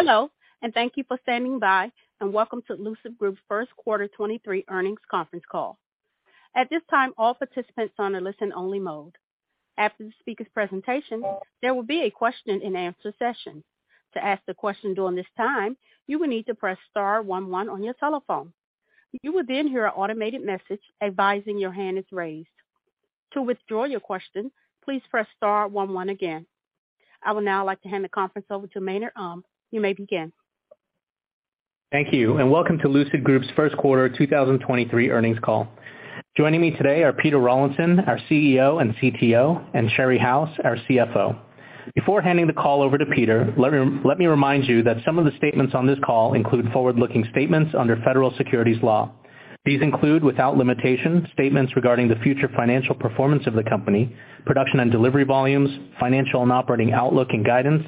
Hello, thank you for standing by, welcome to Lucid Group's first quarter 2023 earnings conference call. At this time, all participants are on a listen-only mode. After the speaker's presentation, there will be a question-and-answer session. To ask the question during this time, you will need to press star one one on your telephone. You will hear an automated message advising your hand is raised. To withdraw your question, please press star one one again. I would now like to hand the conference over to Maynard Um. You may begin. Thank you. Welcome to Lucid Group's first quarter 2023 earnings call. Joining me today are Peter Rawlinson, our Chief Executive Officer and Chief Technology Officer, and Sherry House, our Chief Financial Officer. Before handing the call over to Peter, let me remind you that some of the statements on this call include forward-looking statements under Federal Securities law. These include, without limitation, statements regarding the future financial performance of the company, production and delivery volumes, financial and operating outlook and guidance,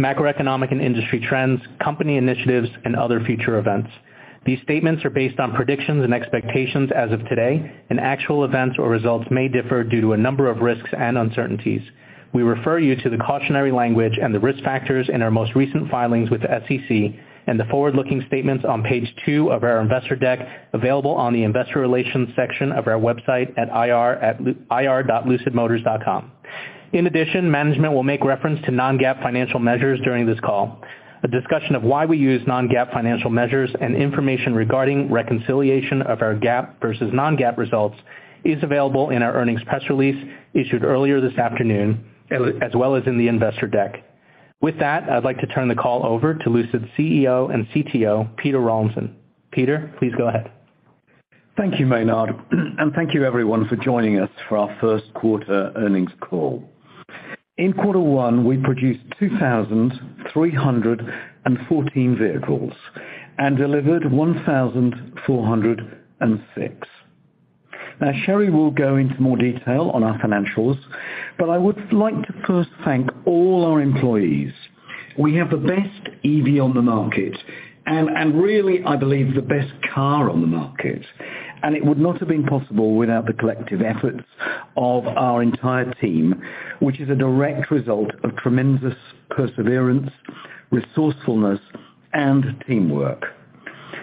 macroeconomic and industry trends, company initiatives, and other future events. These statements are based on predictions and expectations as of today, and actual events or results may differ due to a number of risks and uncertainties. We refer you to the cautionary language and the risk factors in our most recent filings with the SEC and the forward-looking statements on page two of our investor deck, available on the investor relations section of our website at ir.lucidmotors.com. In addition, management will make reference to non-GAAP financial measures during this call. A discussion of why we use non-GAAP financial measures and information regarding reconciliation of our GAAP versus non-GAAP results is available in our earnings press release issued earlier this afternoon, as well as in the investor deck. With that, I'd like to turn the call over to Lucid's Chief Executive Officer and Chief Technology Officer, Peter Rawlinson. Peter, please go ahead. Thank you, Maynard, and thank you everyone for joining us for our first quarter earnings call. In quarter one, we produced 2,314 vehicles and delivered 1,406. Now, Sherry will go into more detail on our financials, but I would like to first thank all our employees. We have the best EV on the market and really, I believe the best car on the market, and it would not have been possible without the collective efforts of our entire team, which is a direct result of tremendous perseverance, resourcefulness, and teamwork.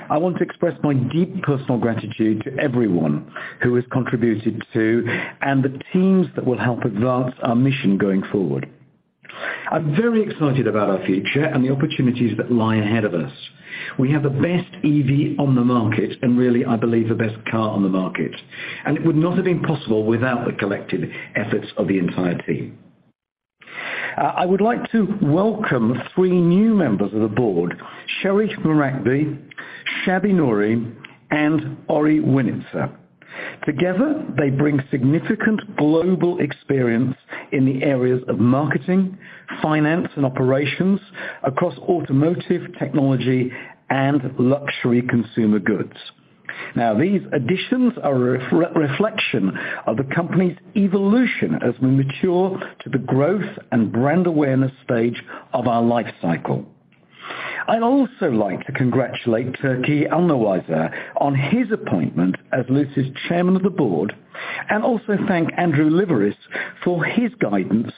I want to express my deep personal gratitude to everyone who has contributed to and the teams that will help advance our mission going forward. I'm very excited about our future and the opportunities that lie ahead of us. We have the best EV on the market and really, I believe, the best car on the market, and it would not have been possible without the collective efforts of the entire team. I would like to welcome three new members of the board, Sherif Marakby, Chabi Nouri, and Ori Winitzer. Together, they bring significant global experience in the areas of marketing, finance, and operations across automotive, technology, and luxury consumer goods. Now, these additions are a reflection of the company's evolution as we mature to the growth and brand awareness stage of our life cycle. I'd also like to congratulate Turqi Alnowaiser on his appointment as Lucid's Chairman of the Board, and also thank Andrew Liveris for his guidance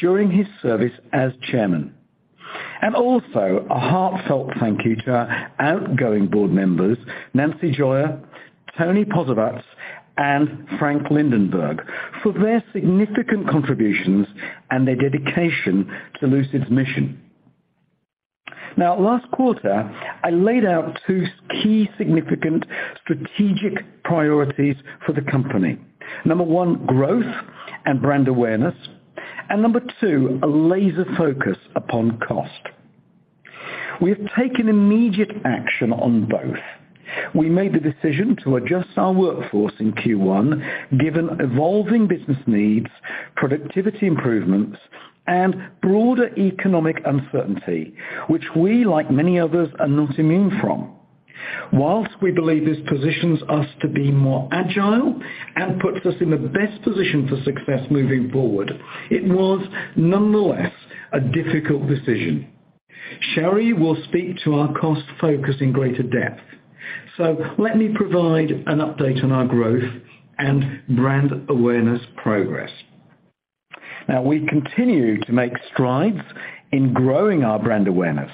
during his service as chairman. Also a heartfelt thank you to our outgoing board members, Nancy Gioia, Tony Posawatz, and Frank Lindenberg, for their significant contributions and their dedication to Lucid's mission. Last quarter, I laid out two key significant strategic priorities for the company. Number one, growth and brand awareness, and Number two, a laser focus upon cost. We have taken immediate action on both. We made the decision to adjust our workforce in Q1 given evolving business needs, productivity improvements, and broader economic uncertainty, which we, like many others, are not immune from. Whilst we believe this positions us to be more agile and puts us in the best position for success moving forward, it was nonetheless a difficult decision. Sherry will speak to our cost focus in greater depth. Let me provide an update on our growth and brand awareness progress. We continue to make strides in growing our brand awareness,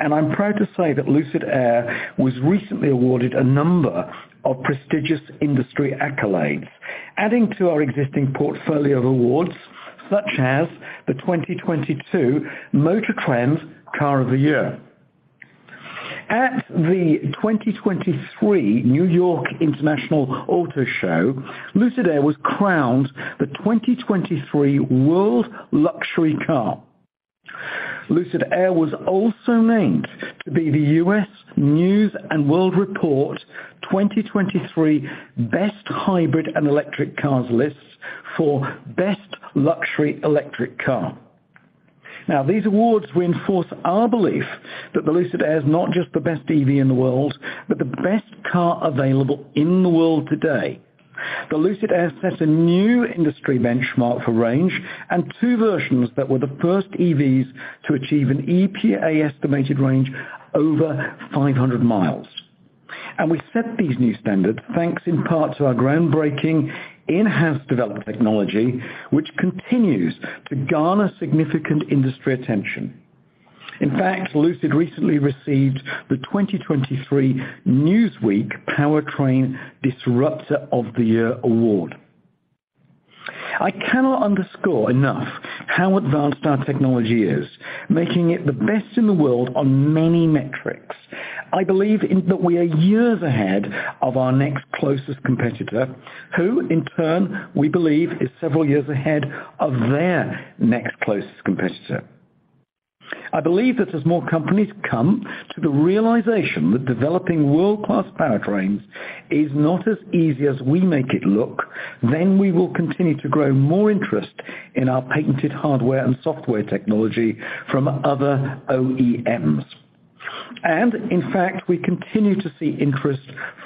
and I'm proud to say that Lucid Air was recently awarded a number of prestigious industry accolades, adding to our existing portfolio of awards, such as the 2022 MotorTrend Car of the Year. At the 2023 New York International Auto Show, Lucid Air was crowned the 2023 World Luxury Car. Lucid Air was also named to be the U.S. News & World Report 2023 Best Hybrid and Electric Cars list for Best Luxury Electric Car. These awards reinforce our belief that the Lucid Air is not just the best EV in the world, but the best car available in the world today. The Lucid Air sets a new industry benchmark for range and two versions that were the first EVs to achieve an EPA estimated range over 500 mi. We set these new standards, thanks in part to our groundbreaking in-house developed technology, which continues to garner significant industry attention. In fact, Lucid recently received the 2023 Newsweek Powertrain Disruptor of the Year award. I cannot underscore enough how advanced our technology is, making it the best in the world on many metrics. I believe that we are years ahead of our next closest competitor, who in turn, we believe, is several years ahead of their next closest competitor. I believe that as more companies come to the realization that developing world-class powertrains is not as easy as we make it look, then we will continue to grow more interest in our patented hardware and software technology from other OEMs. In fact, we continue to see interest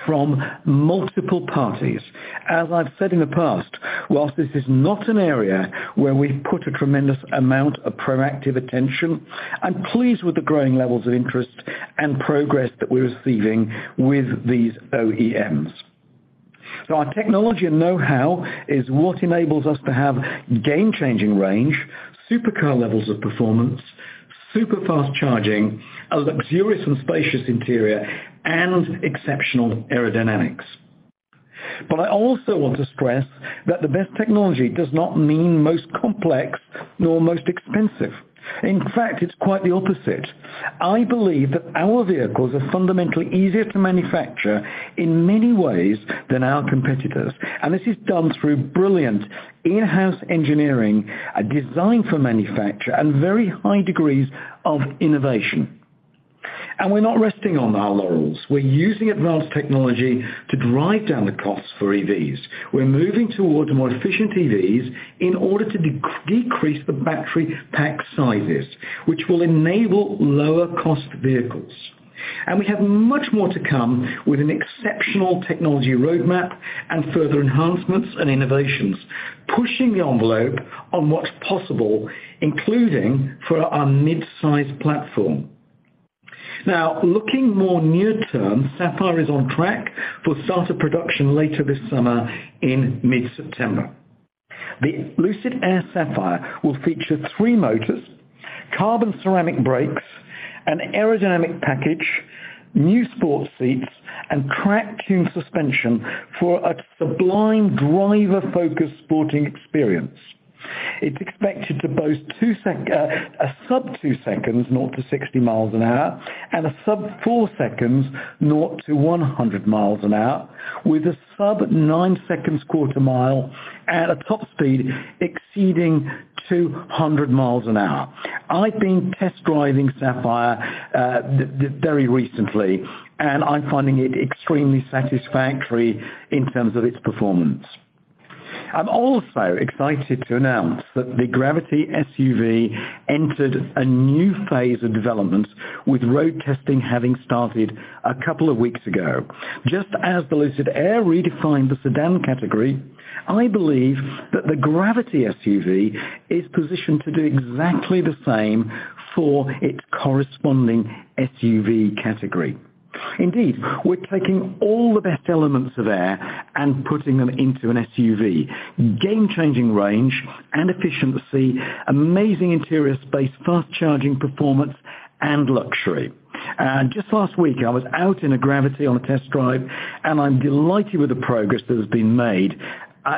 from multiple parties. As I've said in the past, whilst this is not an area where we put a tremendous amount of proactive attention, I'm pleased with the growing levels of interest and progress that we're receiving with these OEMs. Our technology and know-how is what enables us to have game-changing range, supercar levels of performance, super-fast charging, a luxurious and spacious interior, and exceptional aerodynamics. I also want to stress that the best technology does not mean most complex nor most expensive. In fact, it's quite the opposite. I believe that our vehicles are fundamentally easier to manufacture in many ways than our competitors. This is done through brilliant in-house engineering, a design for manufacture, and very high degrees of innovation. We're not resting on our laurels. We're using advanced technology to drive down the costs for EVs. We're moving towards more efficient EVs in order to decrease the battery pack sizes, which will enable lower-cost vehicles. We have much more to come with an exceptional technology roadmap and further enhancements and innovations, pushing the envelope on what's possible, including for our mid-size platform. Now looking more near-term, Sapphire is on track for start of production later this summer in mid-September. The Lucid Air Sapphire will feature three motors, carbon ceramic brakes, an aerodynamic package, new sports seats, and track-tuned suspension for a sublime driver-focused sporting experience. It's expected to boast a sub-two seconds zero to 60 mi an hour and a sub-four seconds zero to 100 mi an hour with a sub-nine seconds quarter mile at a top speed exceeding 200 mi an hour. I've been test driving Sapphire very recently, and I'm finding it extremely satisfactory in terms of its performance. I'm also excited to announce that the Gravity SUV entered a new phase of development with road testing having started a couple of weeks ago. Just as the Lucid Air redefined the sedan category, I believe that the Gravity SUV is positioned to do exactly the same for its corresponding SUV category. We're taking all the best elements of Air and putting them into an SUV: game-changing range and efficiency, amazing interior space, fast charging performance, and luxury. Just last week, I was out in a Gravity on a test drive, and I'm delighted with the progress that has been made.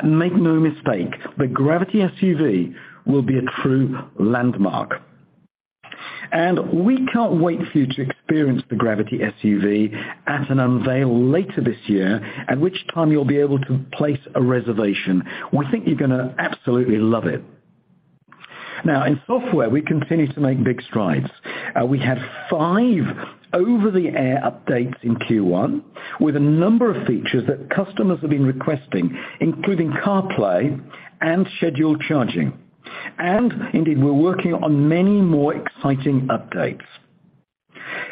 Make no mistake, the Gravity SUV will be a true landmark. We can't wait for you to experience the Gravity SUV at an unveil later this year, at which time you'll be able to place a reservation. We think you're gonna absolutely love it. Now, in software, we continue to make big strides. We had five over-the-air updates in Q1 with a number of features that customers have been requesting, including CarPlay and scheduled charging. Indeed, we're working on many more exciting updates.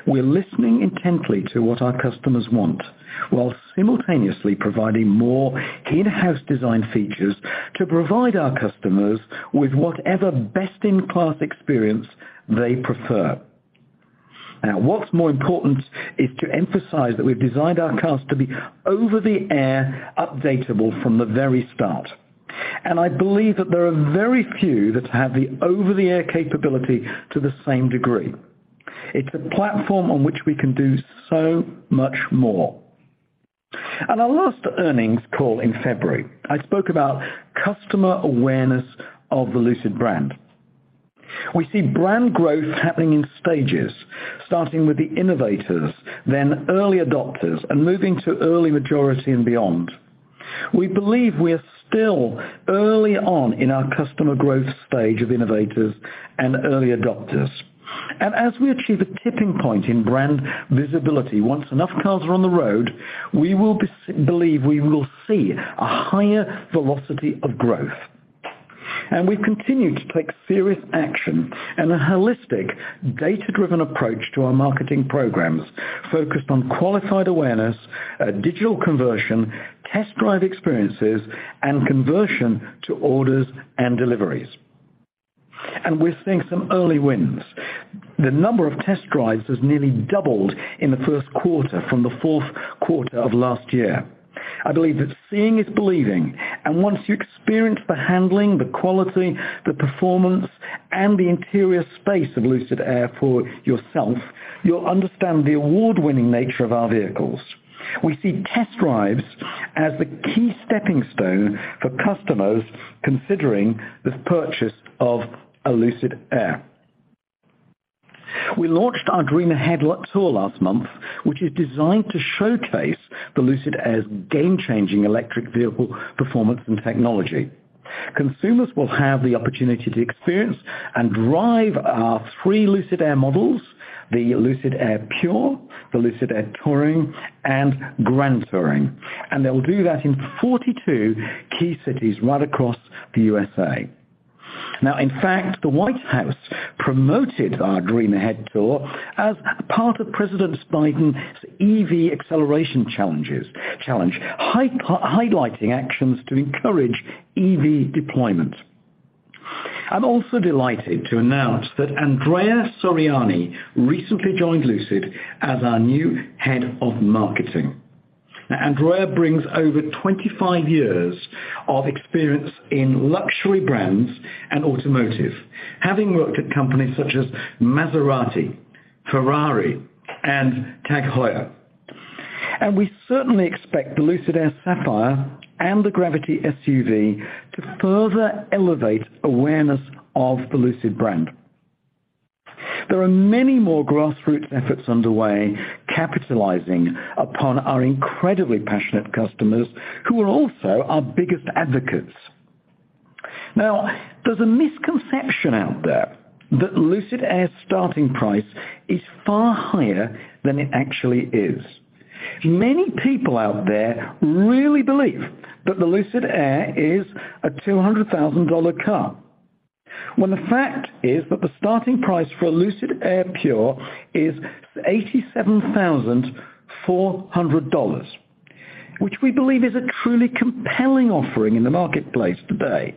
We're listening intently to what our customers want while simultaneously providing more in-house design features to provide our customers with whatever best-in-class experience they prefer. What's more important is to emphasize that we've designed our cars to be over-the-air updatable from the very start. I believe that there are very few that have the over-the-air capability to the same degree. It's a platform on which we can do so much more. At our last earnings call in February, I spoke about customer awareness of the Lucid brand. We see brand growth happening in stages, starting with the innovators, then early adopters, and moving to early majority and beyond. We believe we are still early on in our customer growth stage of innovators and early adopters. As we achieve a tipping point in brand visibility, once enough cars are on the road, we believe we will see a higher velocity of growth. We continue to take serious action and a holistic data-driven approach to our marketing programs focused on qualified awareness, digital conversion, test drive experiences, and conversion to orders and deliveries. We're seeing some early wins. The number of test drives has nearly doubled in the first quarter from the fourth quarter of last year. I believe that seeing is believing, and once you experience the handling, the quality, the performance, and the interior space of Lucid Air for yourself, you'll understand the award-winning nature of our vehicles. We see test drives as the key stepping stone for customers considering this purchase of a Lucid Air. We launched our Dream Ahead Tour last month, which is designed to showcase the Lucid Air's game-changing electric vehicle performance and technology. Consumers will have the opportunity to experience and drive our three Lucid Air models, the Lucid Air Pure, the Lucid Air Touring, and Grand Touring. They will do that in 42 key cities right across the USA. In fact, the White House promoted our Dream Ahead Tour as part of President Biden's EV Acceleration Challenge, highlighting actions to encourage EV deployment. I am also delighted to announce that Andrea Soriani recently joined Lucid as our new head of marketing. Andrea brings over 25 years of experience in luxury brands and automotive, having worked at companies such as Maserati, Ferrari, and TAG Heuer. We certainly expect the Lucid Air Sapphire and the Gravity SUV to further elevate awareness of the Lucid brand. There are many more grassroots efforts underway, capitalizing upon our incredibly passionate customers who are also our biggest advocates. There's a misconception out there that Lucid Air's starting price is far higher than it actually is. Many people out there really believe that the Lucid Air is a $200,000 car, when the fact is that the starting price for a Lucid Air Pure is $87,400, which we believe is a truly compelling offering in the marketplace today.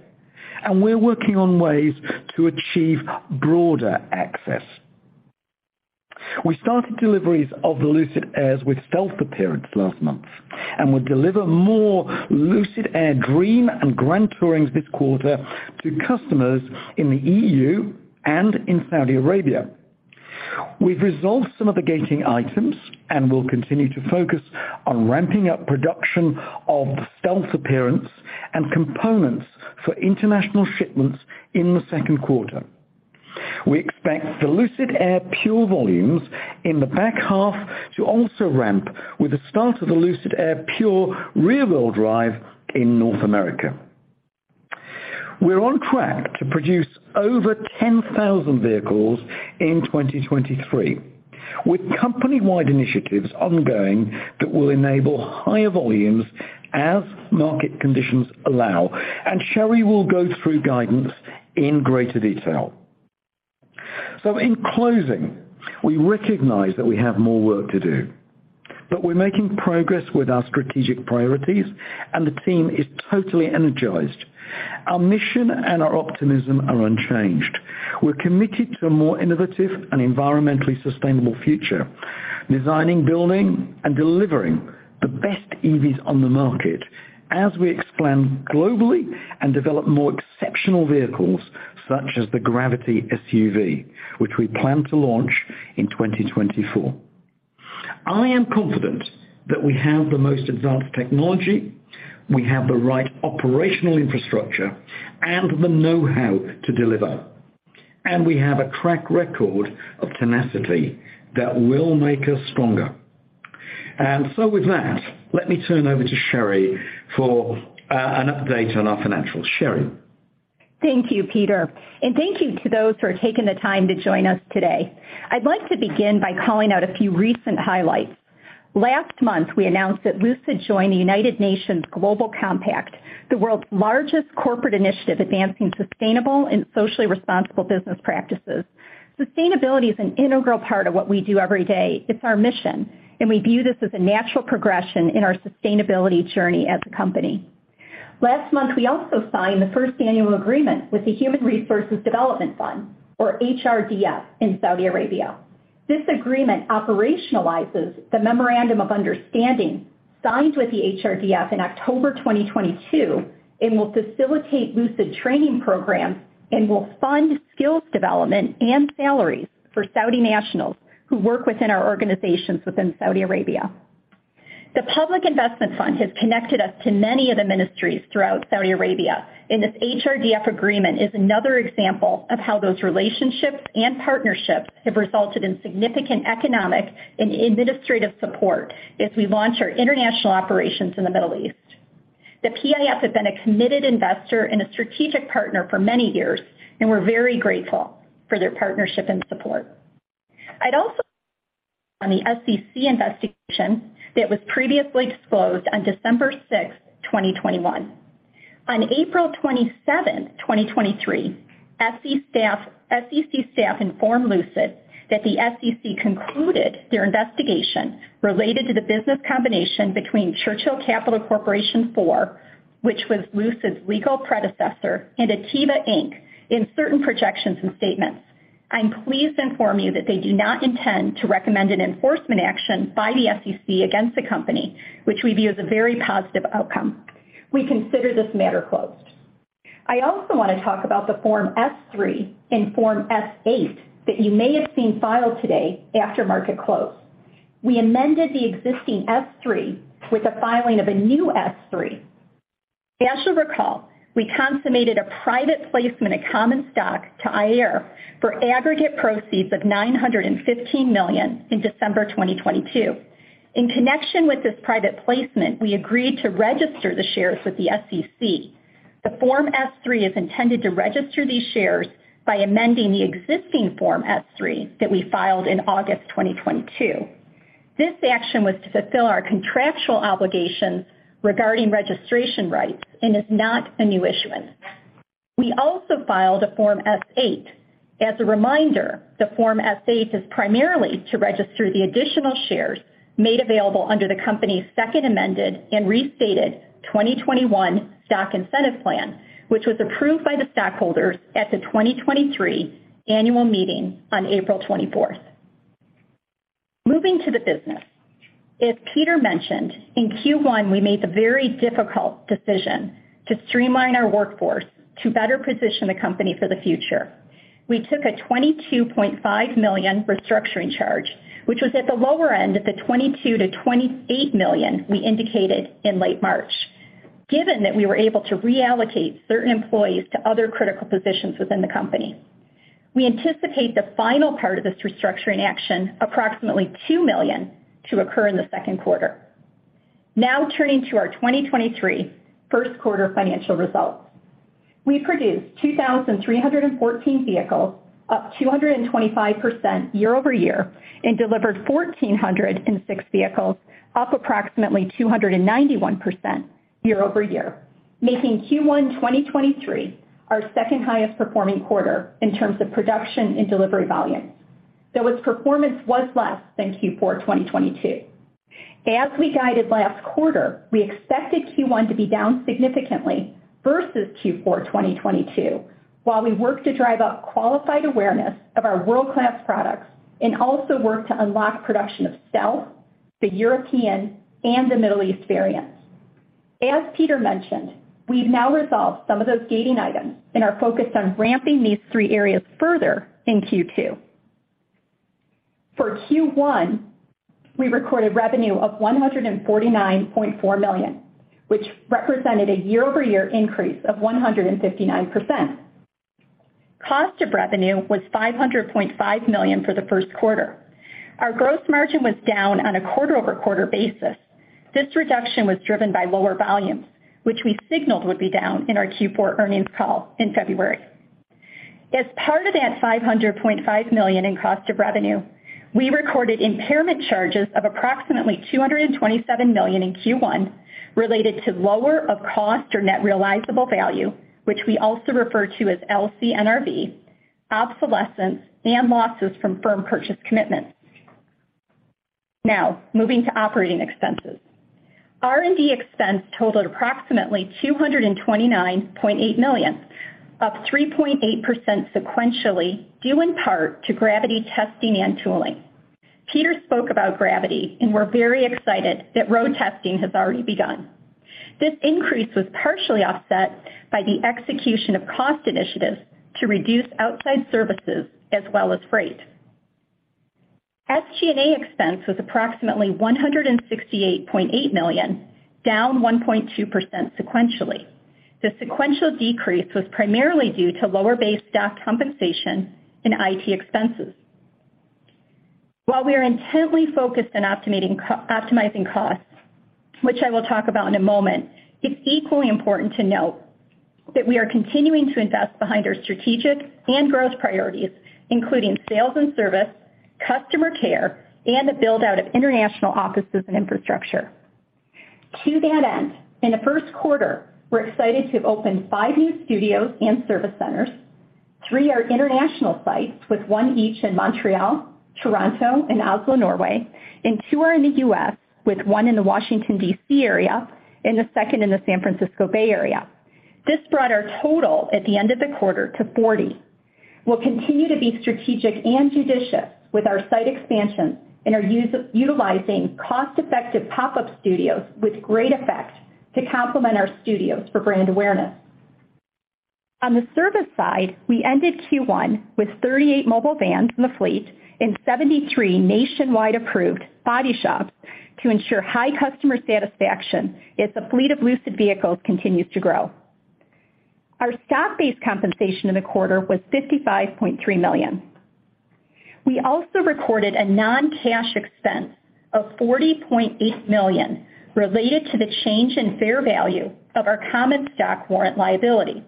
We're working on ways to achieve broader access. We started deliveries of the Lucid Airs with Stealth Appearance last month, and we'll deliver more Lucid Air Dream and Grand Tourings this quarter to customers in the EU and in Saudi Arabia. We've resolved some of the gating items, we'll continue to focus on ramping up production of the Stealth Appearance and components for international shipments in the second quarter. We expect the Lucid Air Pure volumes in the back half to also ramp with the start of the Lucid Air Pure rear-wheel drive in North America. We're on track to produce over 10,000 vehicles in 2023, with company-wide initiatives ongoing that will enable higher volumes as market conditions allow. Sherry will go through guidance in greater detail. In closing, we recognize that we have more work to do, but we're making progress with our strategic priorities and the team is totally energized. Our mission and our optimism are unchanged. We're committed to a more innovative and environmentally sustainable future, designing, building, and delivering the best EVs on the market as we expand globally and develop more exceptional vehicles such as the Gravity SUV, which we plan to launch in 2024. I am confident that we have the most advanced technology, we have the right operational infrastructure and the know-how to deliver, and we have a track record of tenacity that will make us stronger. With that, let me turn over to Sherry for an update on our financials. Sherry? Thank you, Peter, and thank you to those who are taking the time to join us today. I'd like to begin by calling out a few recent highlights. Last month, we announced that Lucid joined the United Nations Global Compact, the world's largest corporate initiative advancing sustainable and socially responsible business practices. Sustainability is an integral part of what we do every day. It's our mission, and we view this as a natural progression in our sustainability journey as a company. Last month, we also signed the first annual agreement with the Human Resources Development Fund, or HRDF in Saudi Arabia. This agreement operationalizes the memorandum of understanding signed with the HRDF in October 2022 and will facilitate Lucid training programs and will fund skills development and salaries for Saudi nationals who work within our organizations within Saudi Arabia. The Public Investment Fund has connected us to many of the ministries throughout Saudi Arabia. This HRDF agreement is another example of how those relationships and partnerships have resulted in significant economic and administrative support as we launch our international operations in the Middle East. The PIF has been a committed investor and a strategic partner for many years. We're very grateful for their partnership and support. I'd also on the SEC investigation that was previously disclosed on December 6, 2021. On April 27, 2023, SEC staff informed Lucid that the SEC concluded their investigation related to the business combination between Churchill Capital Corporation IV, which was Lucid's legal predecessor, and Atieva Inc. in certain projections and statements. I'm pleased to inform you that they do not intend to recommend an enforcement action by the SEC against the company, which we view as a very positive outcome. We consider this matter closed. I also want to talk about the Form S-3 and Form S-8 that you may have seen filed today after market close. We amended the existing S-3 with the filing of a new S-3. As you'll recall, we consummated a private placement of common stock to Ayar for aggregate proceeds of $915 million in December 2022. In connection with this private placement, we agreed to register the shares with the SEC. The Form S-3 is intended to register these shares by amending the existing Form S-3 that we filed in August 2022. This action was to fulfill our contractual obligations regarding registration rights and is not a new issuance. We also filed a Form S-8. As a reminder, the Form S-8 is primarily to register the additional shares made available under the company's second amended and restated 2021 Stock Incentive Plan, which was approved by the stockholders at the 2023 annual meeting on April 24th. Moving to the business. As Peter mentioned, in Q1, we made the very difficult decision to streamline our workforce to better position the company for the future. We took a $22.5 million restructuring charge, which was at the lower end of the $22 million-$28 million we indicated in late March, given that we were able to reallocate certain employees to other critical positions within the company. We anticipate the final part of this restructuring action, approximately $2 million, to occur in the second quarter. Turning to our 2023 first quarter financial results. We produced 2,314 vehicles, up 225% year-over-year, and delivered 1,406 vehicles, up approximately 291% year-over-year, making Q1 2023 our second highest performing quarter in terms of production and delivery volumes, though its performance was less than Q4 2022. As we guided last quarter, we expected Q1 to be down significantly versus Q4 2022 while we work to drive up qualified awareness of our world-class products and also work to unlock production of Stealth, the European, and the Middle East variants. As Peter mentioned, we've now resolved some of those gating items and are focused on ramping these three areas further in Q2. For Q1, we recorded revenue of $149.4 million, which represented a year-over-year increase of 159%. Cost of revenue was $500.5 million for the first quarter. Our gross margin was down on a quarter-over-quarter basis. This reduction was driven by lower volumes, which we signaled would be down in our Q4 earnings call in February. As part of that $500.5 million in cost of revenue, we recorded impairment charges of approximately $227 million in Q1 related to lower of cost or net realizable value, which we also refer to as LCNRV, obsolescence, and losses from firm purchase commitments. Moving to operating expenses. R&D expense totaled approximately $229.8 million, up 3.8% sequentially, due in part to Gravity testing and tooling. Peter spoke about Gravity, and we're very excited that road testing has already begun. This increase was partially offset by the execution of cost initiatives to reduce outside services as well as freight. SG&A expense was approximately $168.8 million, down 1.2% sequentially. The sequential decrease was primarily due to lower base staff compensation and IT expenses. While we are intently focused on optimizing costs, which I will talk about in a moment, it's equally important to note that we are continuing to invest behind our strategic and growth priorities, including sales and service, customer care, and the build-out of international offices and infrastructure. To that end, in the first quarter, we're excited to have opened five new studios and service centers. Three are international sites, with one each in Montreal, Toronto, and Oslo, Norway, and two are in the U.S., with one in the Washington, D.C., area and the second in the San Francisco Bay Area. This brought our total at the end of the quarter to 40. We'll continue to be strategic and judicious with our site expansions and are utilizing cost-effective pop-up studios with great effect to complement our studios for brand awareness. On the service side, we ended Q1 with 38 mobile vans in the fleet and 73 nationwide approved body shops to ensure high customer satisfaction as the fleet of Lucid vehicles continues to grow. Our stock-based compensation in the quarter was $55.3 million. We also recorded a non-cash expense of $40.8 million related to the change in fair value of our common stock warrant liability.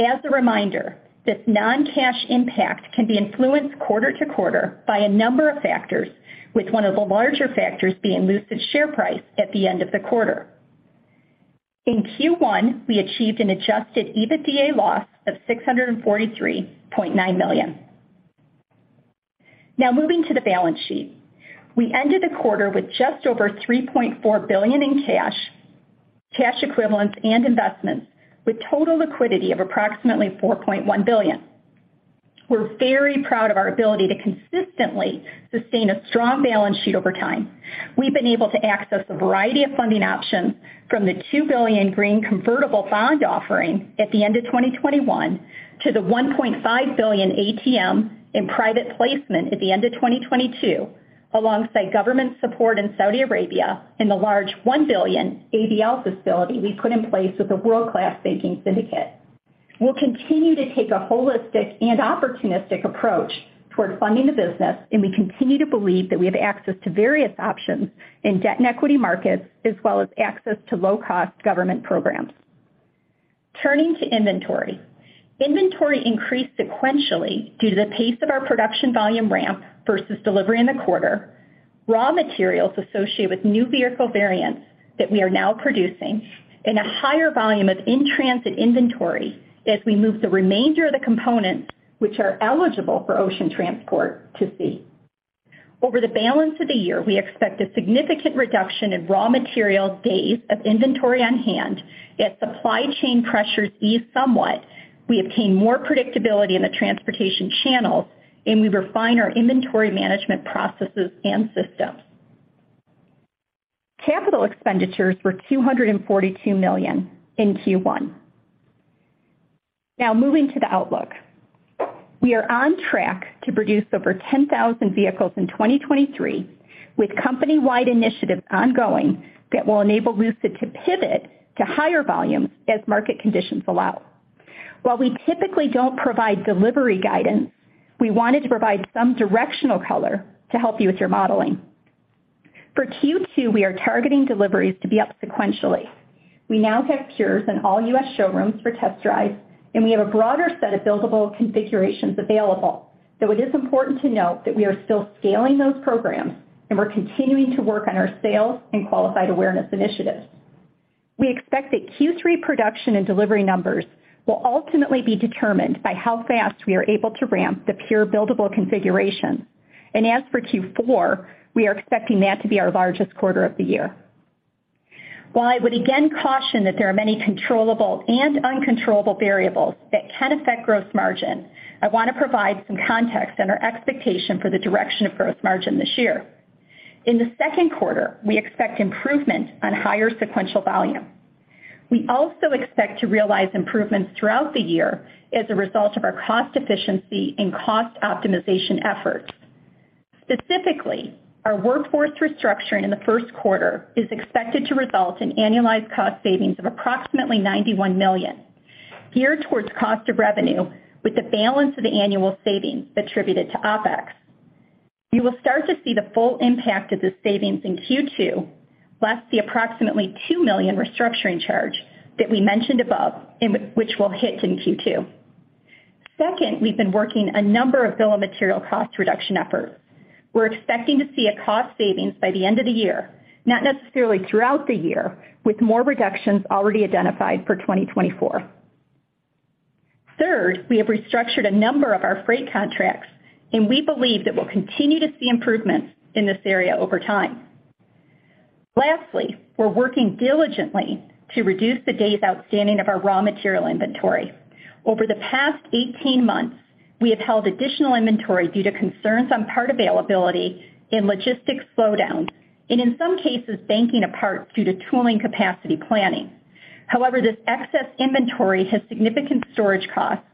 As a reminder, this non-cash impact can be influenced quarter to quarter by a number of factors, with one of the larger factors being Lucid's share price at the end of the quarter. In Q1, we achieved an adjusted EBITDA loss of $643.9 million. Moving to the balance sheet. We ended the quarter with just over $3.4 billion in cash equivalents and investments, with total liquidity of approximately $4.1 billion. We're very proud of our ability to consistently sustain a strong balance sheet over time. We've been able to access a variety of funding options from the $2 billion green convertible notes offering at the end of 2021 to the $1.5 billion ATM in private placement at the end of 2022, alongside government support in Saudi Arabia and the large $1 billion ABL facility we put in place with a world-class banking syndicate. We'll continue to take a holistic and opportunistic approach towards funding the business, and we continue to believe that we have access to various options in debt and equity markets, as well as access to low-cost government programs. Turning to inventory. Inventory increased sequentially due to the pace of our production volume ramp versus delivery in the quarter, raw materials associated with new vehicle variants that we are now producing, and a higher volume of in-transit inventory as we move the remainder of the components which are eligible for ocean transport to sea. Over the balance of the year, we expect a significant reduction in raw material days of inventory on hand as supply chain pressures ease somewhat, we obtain more predictability in the transportation channels, and we refine our inventory management processes and systems. Capital expenditures were $242 million in Q1. Now moving to the outlook. We are on track to produce over 10,000 vehicles in 2023, with company-wide initiatives ongoing that will enable Lucid to pivot to higher volumes as market conditions allow. While we typically don't provide delivery guidance, we wanted to provide some directional color to help you with your modeling. For Q2, we are targeting deliveries to be up sequentially. We now have Pures in all U.S. showrooms for test drives, and we have a broader set of buildable configurations available, though it is important to note that we are still scaling those programs and we're continuing to work on our sales and qualified awareness initiatives. We expect that Q3 production and delivery numbers will ultimately be determined by how fast we are able to ramp the Pure buildable configuration. And as for Q4, we are expecting that to be our largest quarter of the year. While I would again caution that there are many controllable and uncontrollable variables that can affect gross margin, I wanna provide some context on our expectation for the direction of gross margin this year. In the second quarter, we expect improvement on higher sequential volume. We also expect to realize improvements throughout the year as a result of our cost efficiency and cost optimization efforts. Specifically, our workforce restructuring in the first quarter is expected to result in annualized cost savings of approximately $91 million, geared towards cost of revenue, with the balance of the annual savings attributed to OpEx. You will start to see the full impact of the savings in Q2, plus the approximately $2 million restructuring charge that we mentioned above and which will hit in Q2. Second, we've been working a number of bill of material cost reduction efforts. We're expecting to see a cost savings by the end of the year, not necessarily throughout the year, with more reductions already identified for 2024. Third, we have restructured a number of our freight contracts, and we believe that we'll continue to see improvements in this area over time. Lastly, we're working diligently to reduce the days outstanding of our raw material inventory. Over the past 18 months, we have held additional inventory due to concerns on part availability and logistics slowdowns, and in some cases, banking of parts due to tooling capacity planning. However, this excess inventory has significant storage costs,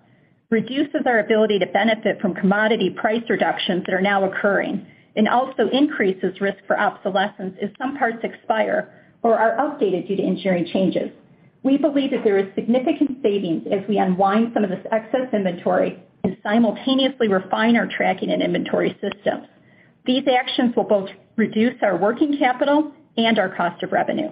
reduces our ability to benefit from commodity price reductions that are now occurring, and also increases risk for obsolescence as some parts expire or are outdated due to engineering changes. We believe that there is significant savings as we unwind some of this excess inventory and simultaneously refine our tracking and inventory systems. These actions will both reduce our working capital and our cost of revenue.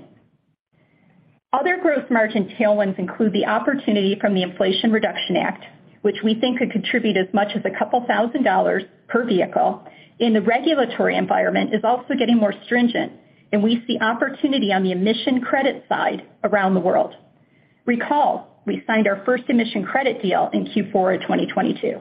Other growth margin tailwinds include the opportunity from the Inflation Reduction Act, which we think could contribute as much as $2,000 per vehicle, and the regulatory environment is also getting more stringent, and we see opportunity on the emission credit side around the world. Recall, we signed our first emission credit deal in Q4 of 2022.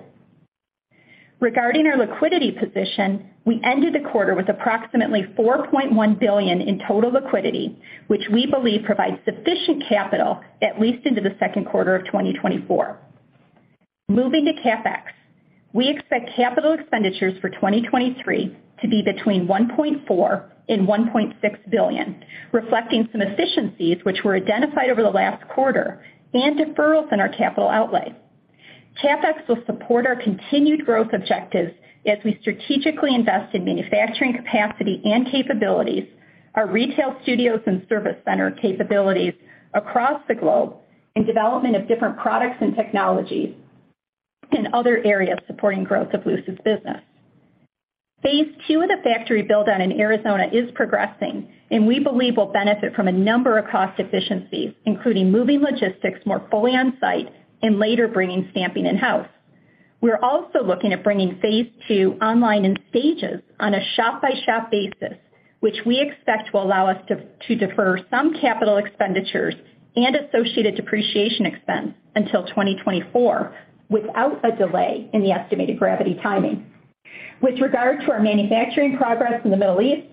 Regarding our liquidity position, we ended the quarter with approximately $4.1 billion in total liquidity, which we believe provides sufficient capital at least into the second quarter of 2024. Moving to CapEx. We expect capital expenditures for 2023 to be between $1.4 billion and $1.6 billion, reflecting some efficiencies which were identified over the last quarter and deferrals in our capital outlay. CapEx will support our continued growth objectives as we strategically invest in manufacturing capacity and capabilities, our retail studios and service center capabilities across the globe, and development of different products and technologies, and other areas supporting growth of Lucid's business. Phase two of the factory build out in Arizona is progressing. We believe we'll benefit from a number of cost efficiencies, including moving logistics more fully on-site and later bringing stamping in-house. We're also looking at bringing Phase two online in stages on a shop-by-shop basis, which we expect will allow us to defer some capital expenditures and associated depreciation expense until 2024 without a delay in the estimated Gravity timing. With regard to our manufacturing progress in the Middle East,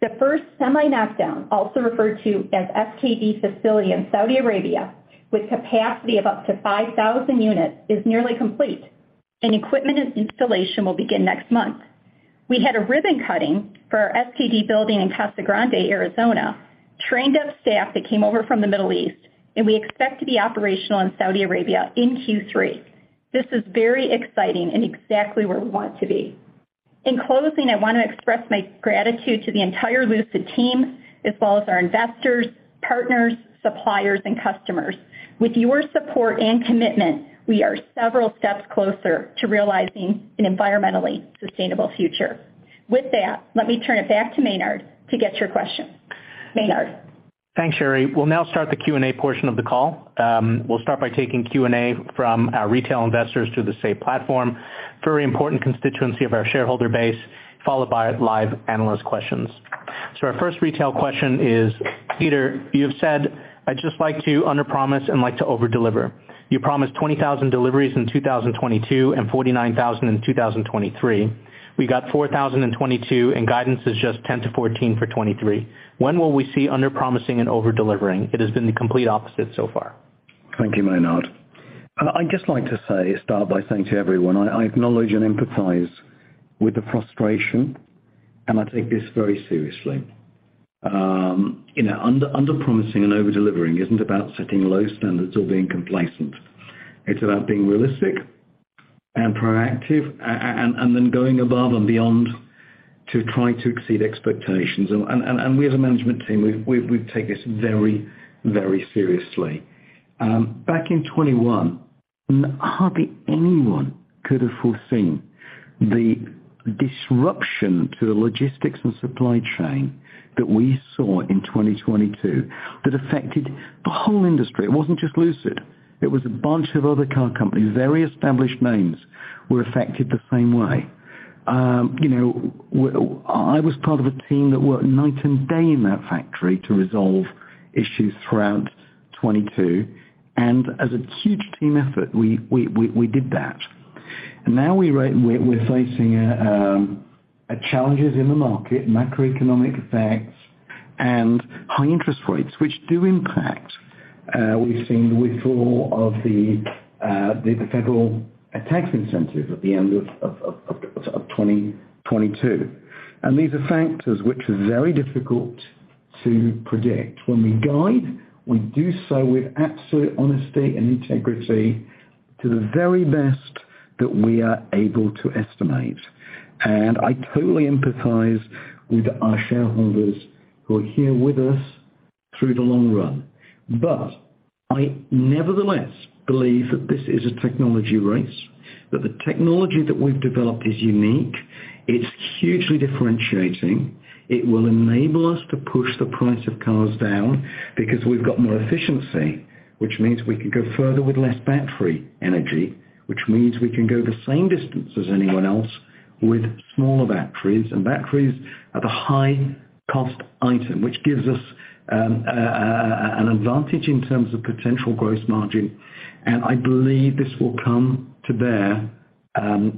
the first semi-knockdown, also referred to as SKD facility in Saudi Arabia, with capacity of up to 5,000 units, is nearly complete. Equipment and installation will begin next month. We had a ribbon cutting for our SKD building in Casa Grande, Arizona, trained up staff that came over from the Middle East. We expect to be operational in Saudi Arabia in Q3. This is very exciting and exactly where we want to be. In closing, I wanna express my gratitude to the entire Lucid team, as well as our investors, partners, suppliers, and customers. With your support and commitment, we are several steps closer to realizing an environmentally sustainable future. With that, let me turn it back to Maynard to get your questions. Maynard. Thanks, Sherry. We'll now start the Q&A portion of the call. We'll start by taking Q&A from our retail investors through the Say platform, very important constituency of our shareholder base, followed by live analyst questions. Our first retail question is, Peter, you have said, "I just like to underpromise and like to overdeliver." You promised 20,000 deliveries in 2022 and 49,000 in 2023. We got 4,000 in 2022, and guidance is just 10,000-14,000 for 2023. When will we see underpromising and overdelivering? It has been the complete opposite so far. Thank you, Maynard. I'd just like to say, start by saying to everyone, I acknowledge and empathize with the frustration. I take this very seriously. you know, underpromising and overdelivering isn't about setting low standards or being complacent. It's about being realistic and proactive and then going above and beyond to try to exceed expectations. We as a management team, we take this very seriously. back in 21, hardly anyone could have foreseen the disruption to the logistics and supply chain that we saw in 2022 that affected the whole industry. It wasn't just Lucid. It was a bunch of other car companies. Very established names were affected the same way. you know, I was part of a team that worked night and day in that factory to resolve issues throughout 2022, and as a huge team effort, we did that. Now we're facing challenges in the market, macroeconomic effects and high interest rates, which do impact, we've seen the withdrawal of the federal tax incentive at the end of 2022. These are factors which are very difficult to predict. When we guide, we do so with absolute honesty and integrity to the very best that we are able to estimate. I totally empathize with our shareholders who are here with us through the long run. I nevertheless believe that this is a technology race, that the technology that we've developed is unique, it's hugely differentiating, it will enable us to push the price of cars down because we've got more efficiency, which means we can go further with less battery energy, which means we can go the same distance as anyone else with smaller batteries. Batteries are the high-cost item, which gives us an advantage in terms of potential gross margin, and I believe this will come to bear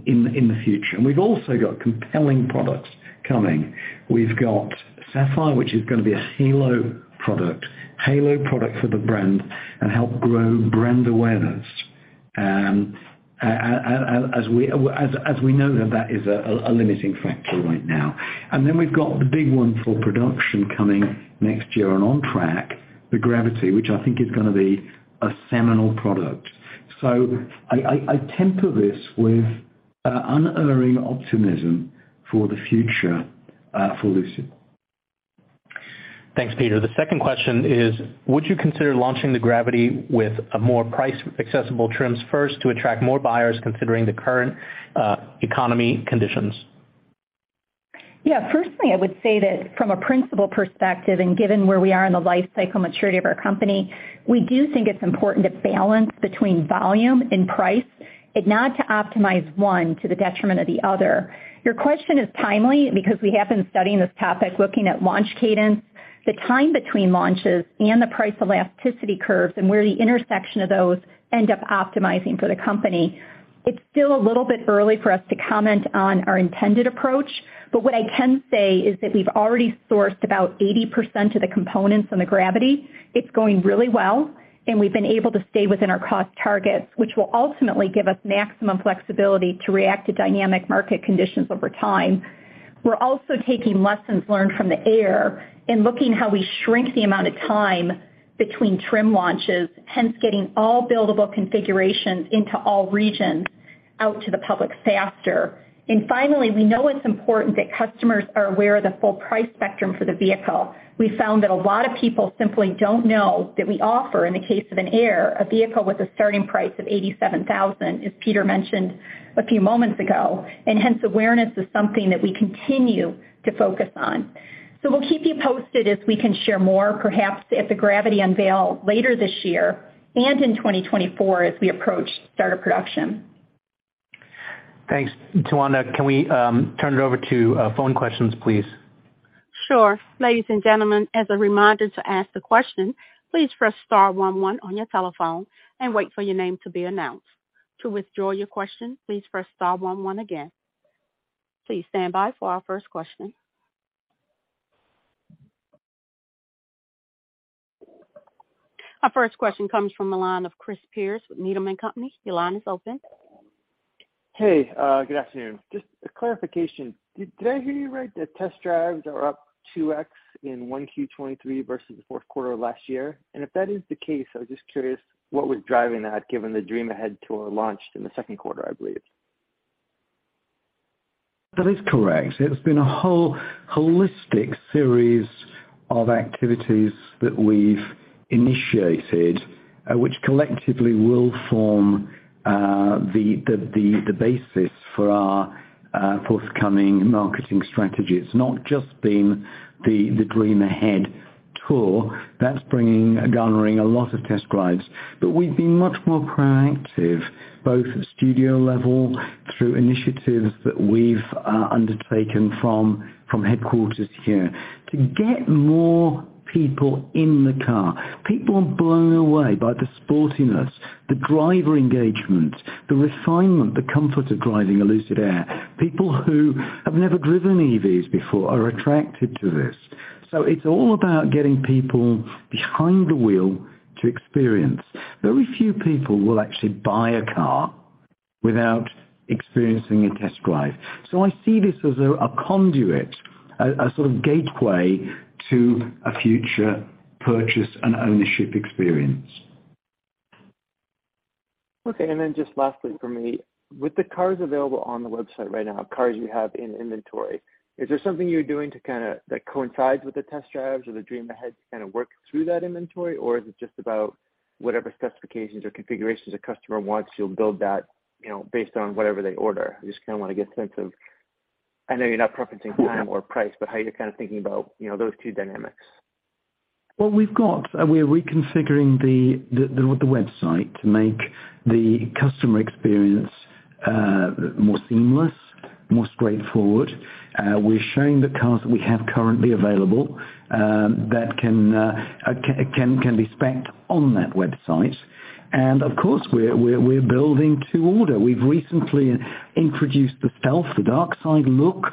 in the future. We've also got compelling products coming. We've got Sapphire, which is gonna be a halo product for the brand and help grow brand awareness. As we know that is a limiting factor right now. We've got the big one for production coming next year and on track, the Gravity, which I think is gonna be a seminal product. I temper this with unerring optimism for the future for Lucid. Thanks, Peter. The second question is, would you consider launching the Gravity with a more price-accessible trims first to attract more buyers considering the current economy conditions? Yeah. Firstly, I would say that from a principal perspective and given where we are in the lifecycle maturity of our company, we do think it's important to balance between volume and price, if not to optimize one to the detriment of the other. Your question is timely because we have been studying this topic, looking at launch cadence, the time between launches and the price elasticity curves, and where the intersection of those end up optimizing for the company. It's still a little bit early for us to comment on our intended approach, but what I can say is that we've already sourced about 80% of the components on the Gravity. It's going really well, and we've been able to stay within our cost targets, which will ultimately give us maximum flexibility to react to dynamic market conditions over time. We're also taking lessons learned from the Air and looking how we shrink the amount of time between trim launches, hence getting all buildable configurations into all regions out to the public faster. Finally, we know it's important that customers are aware of the full price spectrum for the vehicle. We found that a lot of people simply don't know that we offer, in the case of an Air, a vehicle with a starting price of $87,000, as Peter mentioned a few moments ago, and hence awareness is something that we continue to focus on. We'll keep you posted if we can share more, perhaps at the Gravity unveil later this year and in 2024 as we approach starter production. Thanks, uncertain. Can we turn it over to phone questions, please? Sure. Ladies and gentlemen, as a reminder to ask the question, please press star one one on your telephone and wait for your name to be announced. To withdraw your question, please press star one one again. Please stand by for our first question. Our first question comes from the line of Chris Pierce with Needham & Company. Your line is open. Hey, good afternoon. Just a clarification. Did I hear you right that test drives are up 2x in 1Q 2023 versus the fourth quarter last year? If that is the case, I was just curious what was driving that, given the Dream Ahead Tour launched in the second quarter, I believe. That is correct. It has been a whole holistic series of activities that we've initiated, which collectively will form the basis for our forthcoming marketing strategy. It's not just been the Dream Ahead Tour. That's garnering a lot of test drives. We've been much more proactive, both at studio level through initiatives that we've undertaken from headquarters here to get more people in the car. People are blown away by the sportiness, the driver engagement, the refinement, the comfort of driving a Lucid Air. People who have never driven EVs before are attracted to this. It's all about getting people behind the wheel to experience. Very few people will actually buy a car without experiencing a test drive. I see this as a conduit, a sort of gateway to a future purchase and ownership experience. Okay. Just lastly for me, with the cars available on the website right now, cars you have in inventory, is there something you're doing to that coincides with the test drives or the Dream Ahead to kind of work through that inventory? Or is it just about whatever specifications or configurations a customer wants, you'll build that, you know, based on whatever they order? I just kinda wanna get a sense of, I know you're not preferencing time or price, but how you're kind of thinking about, you know, those two dynamics? We're reconfiguring the website to make the customer experience more seamless, more straightforward. We're showing the cars that we have currently available that can be spec-ed on that website. Of course, we're building to order. We've recently introduced the Stealth, the dark side look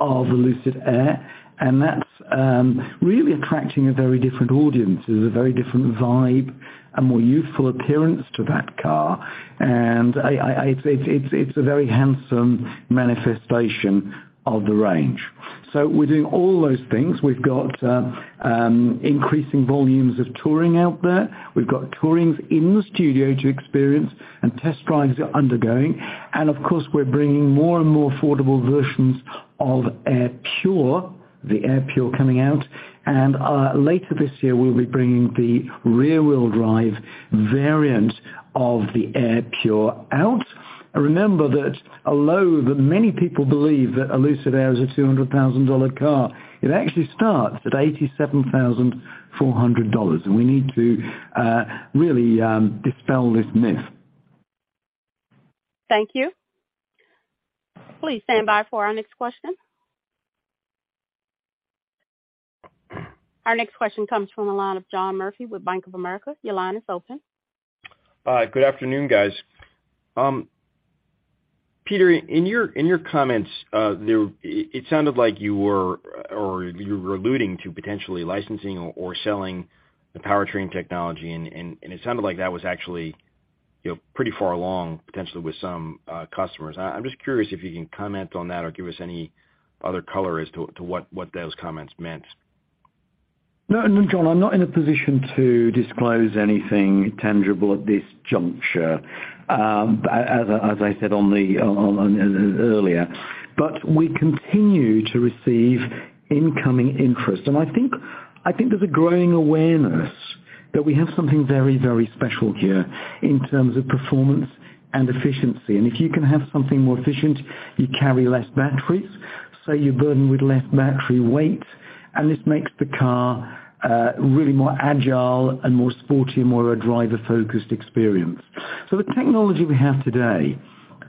of Lucid Air, and that's really attracting a very different audience. There's a very different vibe, a more youthful appearance to that car. It's a very handsome manifestation of the range. We're doing all those things. We've got increasing volumes of Touring out there. We've got Tourings in the studio to experience and test drives are undergoing. Of course, we're bringing more and more affordable versions of Air Pure, the Air Pure coming out. Later this year, we'll be bringing the rear wheel drive variant of the Air Pure out. Remember that although that many people believe that a Lucid Air is a $200,000 car, it actually starts at $87,400. We need to really dispel this myth. Thank you. Please stand by for our next question. Our next question comes from the line of John Murphy with Bank of America. Your line is open. Good afternoon, guys. Peter, in your comments, it sounded like you were alluding to potentially licensing or selling the powertrain technology. It sounded like that was actually, you know, pretty far along, potentially with some customers. I'm just curious if you can comment on that or give us any other color as to what those comments meant? No, John, I'm not in a position to disclose anything tangible at this juncture, as I said on earlier. We continue to receive incoming interest. I think there's a growing awareness that we have something very, very special here in terms of performance and efficiency. If you can have something more efficient, you carry less batteries, so you're burdened with less battery weight, and this makes the car, really more agile and more sporty, more a driver-focused experience. The technology we have today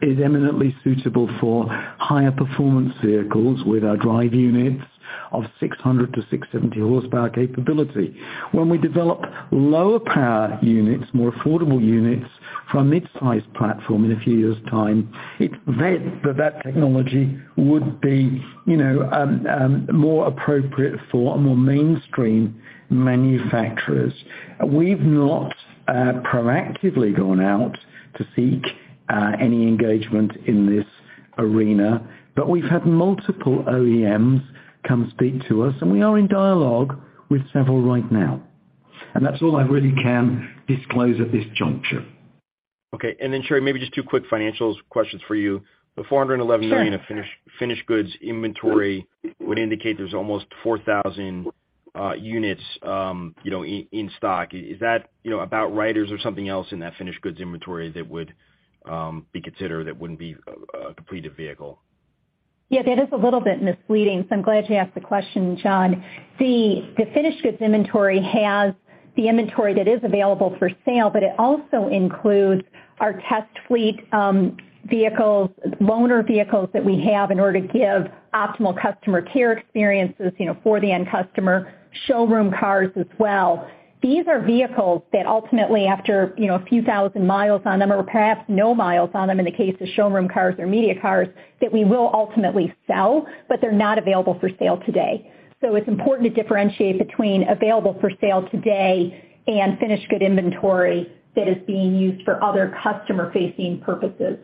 is eminently suitable for higher performance vehicles with our drive units of 600-670 horsepower capability. We develop lower power units, more affordable units for a mid-sized platform in a few years' time, it's vetted that technology would be, you know, more appropriate for more mainstream manufacturers. We've not proactively gone out to seek any engagement in this arena, but we've had multiple OEMs come speak to us, and we are in dialogue with several right now. That's all I really can disclose at this juncture. Okay. Then Sherry, maybe just two quick financials questions for you. Sure. The $411 million in finished goods inventory would indicate there's almost 4,000 units, you know, in stock. Is that, you know, about riders or something else in that finished goods inventory that would be considered that wouldn't be a completed vehicle? Yeah, that is a little bit misleading, so I'm glad you asked the question, John. The finished goods inventory has the inventory that is available for sale, but it also includes our test fleet vehicles, loaner vehicles that we have in order to give optimal customer care experiences, you know, for the end customer, showroom cars as well. These are vehicles that ultimately, after, you know, a few thousand mi on them, or perhaps no mi on them in the case of showroom cars or media cars, that we will ultimately sell, but they're not available for sale today. It's important to differentiate between available for sale today and finished good inventory that is being used for other customer-facing purposes.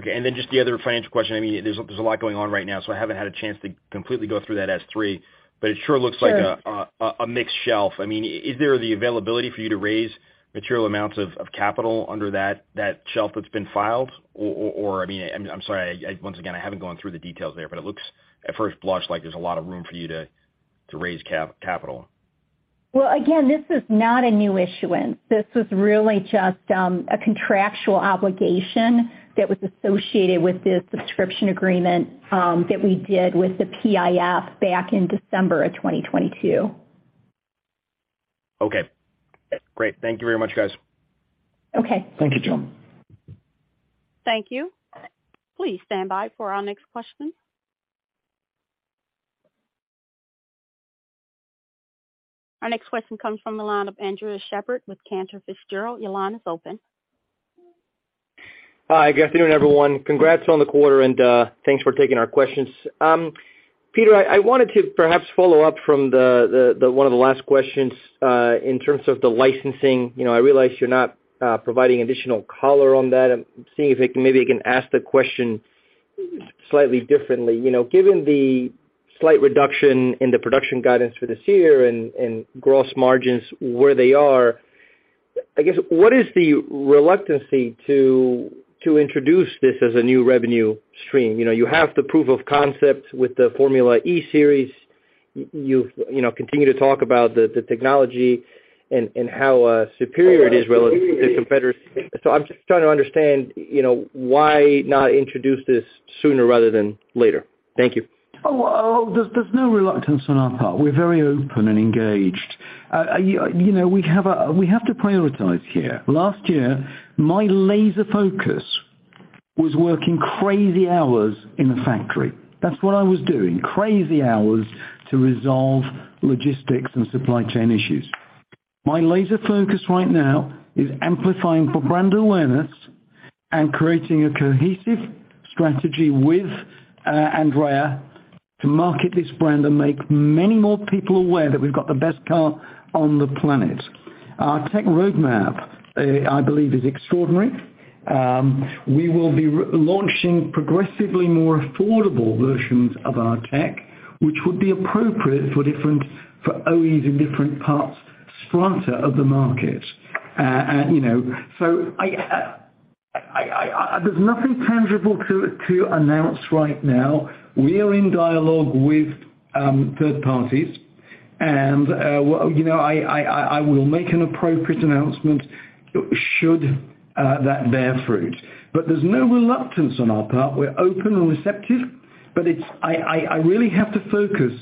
Okay. Then just the other financial question. I mean, there's a lot going on right now, so I haven't had a chance to completely go through that S-3. It sure looks like- Sure. a mixed shelf. I mean, is there the availability for you to raise material amounts of capital under that shelf that's been filed? I mean. I'm sorry. I, once again, haven't gone through the details there, but it looks at first blush like there's a lot of room for you to raise capital. Well, again, this is not a new issuance. This was really just a contractual obligation that was associated with the subscription agreement that we did with the PIF back in December of 2022. Okay. Great. Thank you very much, guys. Okay. Thank you, John. Thank you. Please stand by for our next question. Our next question comes from the line of Andres Sheppard with Cantor Fitzgerald. Your line is open. Hi, good afternoon, everyone. Congrats on the quarter, thanks for taking our questions. Peter, I wanted to perhaps follow up from one of the last questions in terms of the licensing. You know, I realize you're not providing additional color on that. I'm seeing if maybe I can ask the question slightly differently. You know, given the slight reduction in the production guidance for this year and gross margins where they are, I guess, what is the reluctance to introduce this as a new revenue stream? You have the proof of concept with the Formula E series. You know, continue to talk about the technology and how superior it is relative to competitors. I'm just trying to understand, you know, why not introduce this sooner rather than later. Thank you. There's no reluctance on our part. We're very open and engaged. You know, we have to prioritize here. Last year, my laser focus was working crazy hours in the factory. That's what I was doing, crazy hours to resolve logistics and supply chain issues. My laser focus right now is amplifying for brand awareness and creating a cohesive strategy with Andrea to market this brand and make many more people aware that we've got the best car on the planet. Our tech roadmap, I believe is extraordinary. We will be launching progressively more affordable versions of our tech, which would be appropriate for OEs in different parts strata of the market. You know, there's nothing tangible to announce right now. We are in dialogue with third parties, and you know, I will make an appropriate announcement should that bear fruit. There's no reluctance on our part. We're open and receptive, but I really have to focus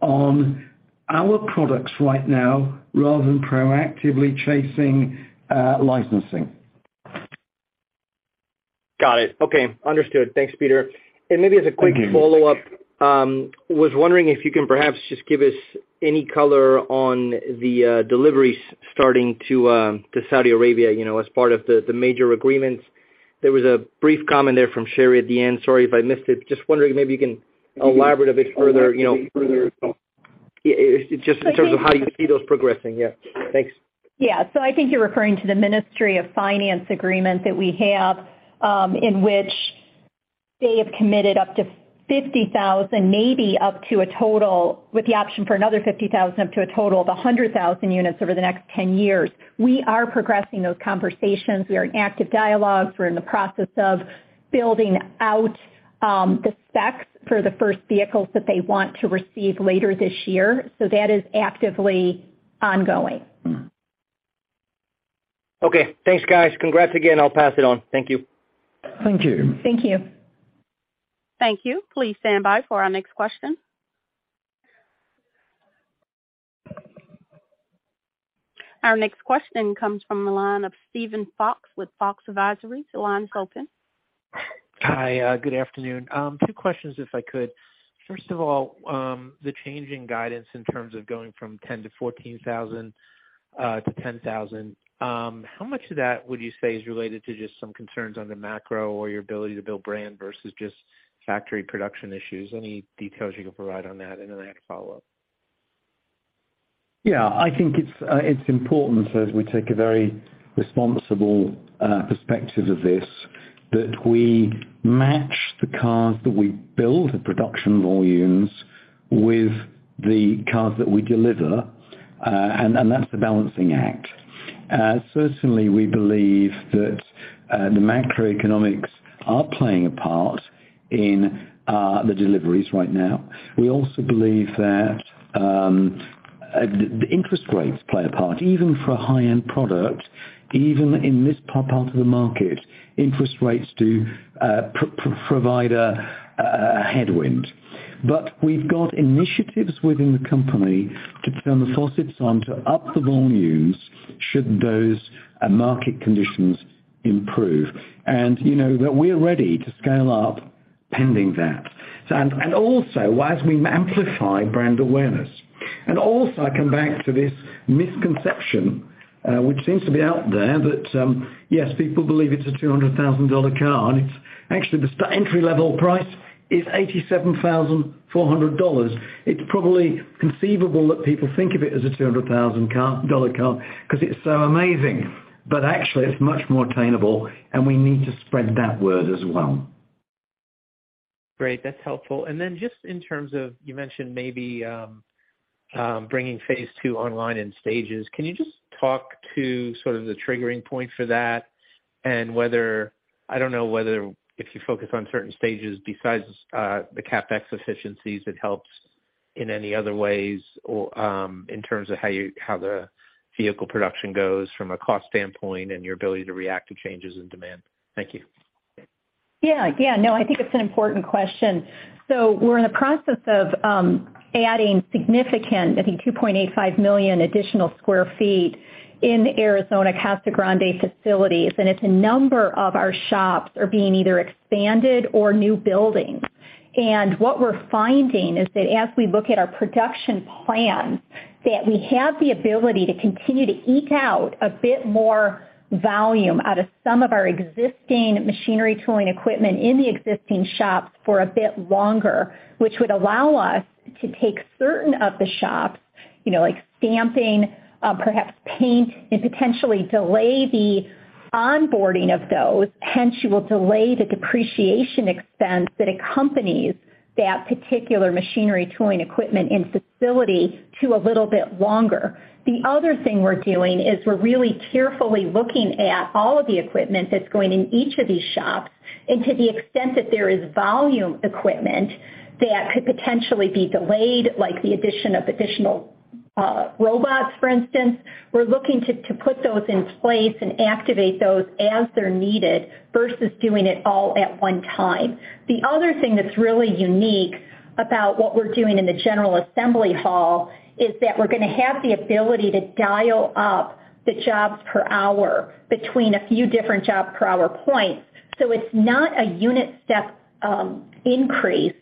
on our products right now rather than proactively chasing licensing. Got it. Okay. Understood. Thanks, Peter. Thank you. Maybe as a quick follow-up, was wondering if you can perhaps just give us any color on the deliveries starting to Saudi Arabia, you know, as part of the major agreements. There was a brief comment there from Sherry at the end. Sorry if I missed it. Just wondering if maybe you can elaborate a bit further, you know, just in terms of how you see those progressing. Yeah. Thanks. Yeah. I think you're referring to the Ministry of Finance agreement that we have, in which they have committed up to 50,000, maybe up to a total with the option for another 50,000, up to a total of 100,000 units over the next 10 years. We are progressing those conversations. We are in active dialogue. We're in the process of building out the specs for the first vehicles that they want to receive later this year. That is actively ongoing. Okay. Thanks, guys. Congrats again. I'll pass it on. Thank you. Thank you. Thank you. Thank you. Please stand by for our next question. Our next question comes from the line of Steven Fox with Fox Advisors. The line's open. Hi. Good afternoon. Two questions, if I could. First of all, the change in guidance in terms of going from 10,000-14,000 to 10,000, how much of that would you say is related to just some concerns on the macro or your ability to build brand versus just factory production issues? Any details you could provide on that? Then I have a follow-up. Yeah. I think it's important as we take a very responsible perspective of this, that we match the cars that we build, the production volumes, with the cars that we deliver, and that's the balancing act. Certainly we believe that the macroeconomics are playing a part in the deliveries right now. We also believe that the interest rates play a part, even for a high-end product, even in this part of the market, interest rates do provide a headwind. We've got initiatives within the company to turn the faucets on to up the volumes should those market conditions improve. You know, we're ready to scale up pending that. Also, as we amplify brand awareness. Also I come back to this misconception, which seems to be out there that, yes, people believe it's a $200,000 car, and it's actually the entry level price is $87,400. It's probably conceivable that people think of it as a $200,000 car 'cause it's so amazing. Actually it's much more attainable, and we need to spread that word as well. Great, that's helpful. Then just in terms of, you mentioned maybe bringing phase 2 online in stages. Can you just talk to sort of the triggering point for that and whether, I don't know whether if you focus on certain stages besides, the CapEx efficiencies, it helps in any other ways or, in terms of how the vehicle production goes from a cost standpoint and your ability to react to changes in demand. Thank you. Yeah. Yeah, no, I think it's an important question. We're in the process of adding significant, I think 2.85 million additional sq ft in the Arizona Casa Grande facilities, and it's a number of our shops are being either expanded or new buildings. What we're finding is that as we look at our production plans, that we have the ability to continue to eke out a bit more volume out of some of our existing machinery tooling equipment in the existing shops for a bit longer, which would allow us to take certain of the shops, you know, like stamping, perhaps paint, and potentially delay the onboarding of those, hence you will delay the depreciation expense that accompanies that particular machinery, tooling equipment in facility to a little bit longer. The other thing we're doing is we're really carefully looking at all of the equipment that's going in each of these shops, and to the extent that there is volume equipment that could potentially be delayed, like the addition of additional robots, for instance, we're looking to put those in place and activate those as they're needed versus doing it all at one time. The other thing that's really unique about what we're doing in the general assembly hall is that we're gonna have the ability to dial up the jobs per hour between a few different jobs per hour points. It's not a unit step, increase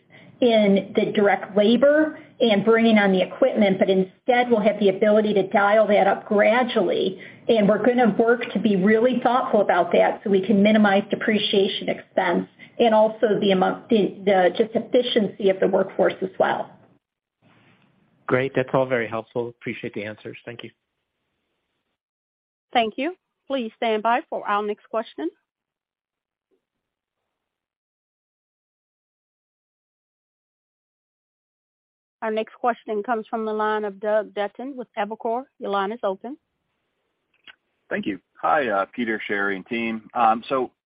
in the direct labor and bringing on the equipment, but instead, we'll have the ability to dial that up gradually, and we're gonna work to be really thoughtful about that so we can minimize depreciation expense and also the just efficiency of the workforce as well. Great. That's all very helpful. Appreciate the answers. Thank you. Thank you. Please stand by for our next question. Our next question comes from the line of Doug Dutton with Evercore. Your line is open. Thank you. Hi, Peter, Sherry, and team.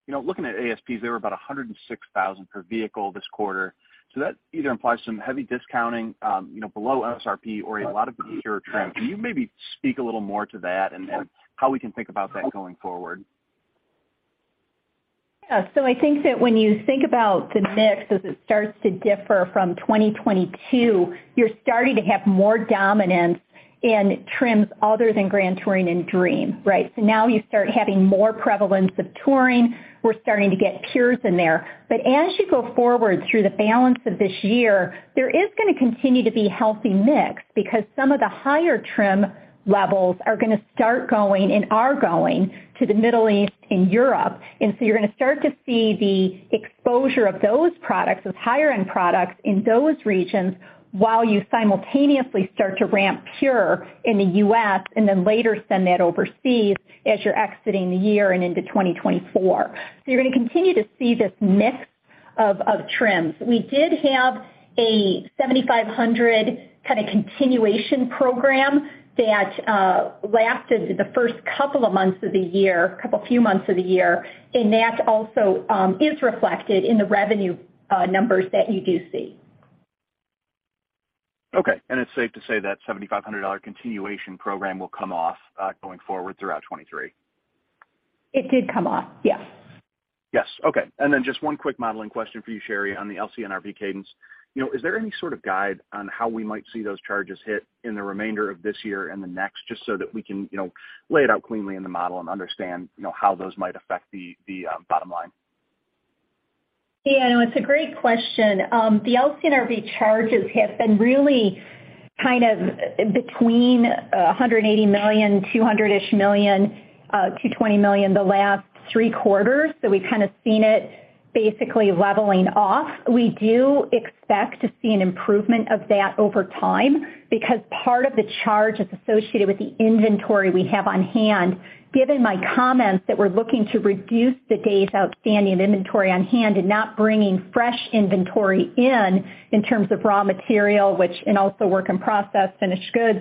You know, looking at ASPs, they were about $106,000 per vehicle this quarter. That either implies some heavy discounting, you know, below SRP or a lot of pure trends. Can you maybe speak a little more to that and how we can think about that going forward? I think that when you think about the mix as it starts to differ from 2022, you're starting to have more dominance in trims other than Grand Touring and Dream, right? Now you start having more prevalence of Touring. We're starting to get Pure in there. As you go forward through the balance of this year, there is going to continue to be healthy mix because some of the higher trim levels are going to start going and are going to the Middle East and Europe. You're going to start to see the exposure of those products, those higher end products in those regions while you simultaneously start to ramp Pure in the U.S. and then later send that overseas as you're exiting the year and into 2024. You're going to continue to see this mix of trims. We did have a 7,500 kind of continuation program that lasted the first couple of months of the year, couple few months of the year, and that also is reflected in the revenue numbers that you do see. Okay. It's safe to say that $7,500 continuation program will come off, going forward throughout 2023. It did come off. Yes. Yes. Okay. Just one quick modeling question for you, Sherry, on the LCNRV cadence. You know, is there any sort of guide on how we might see those charges hit in the remainder of this year and the next, just so that we can, you know, lay it out cleanly in the model and understand, you know, how those might affect the bottom line? Yeah, no, it's a great question. The LCNRV charges have been really kind of between $180 million, $200 million-ish, $220 million the last three quarters. We've kinda seen it basically leveling off. We do expect to see an improvement of that over time because part of the charge that's associated with the inventory we have on hand, given my comments that we're looking to reduce the days outstanding inventory on hand and not bringing fresh inventory in in terms of raw material, and also work in process, finished goods,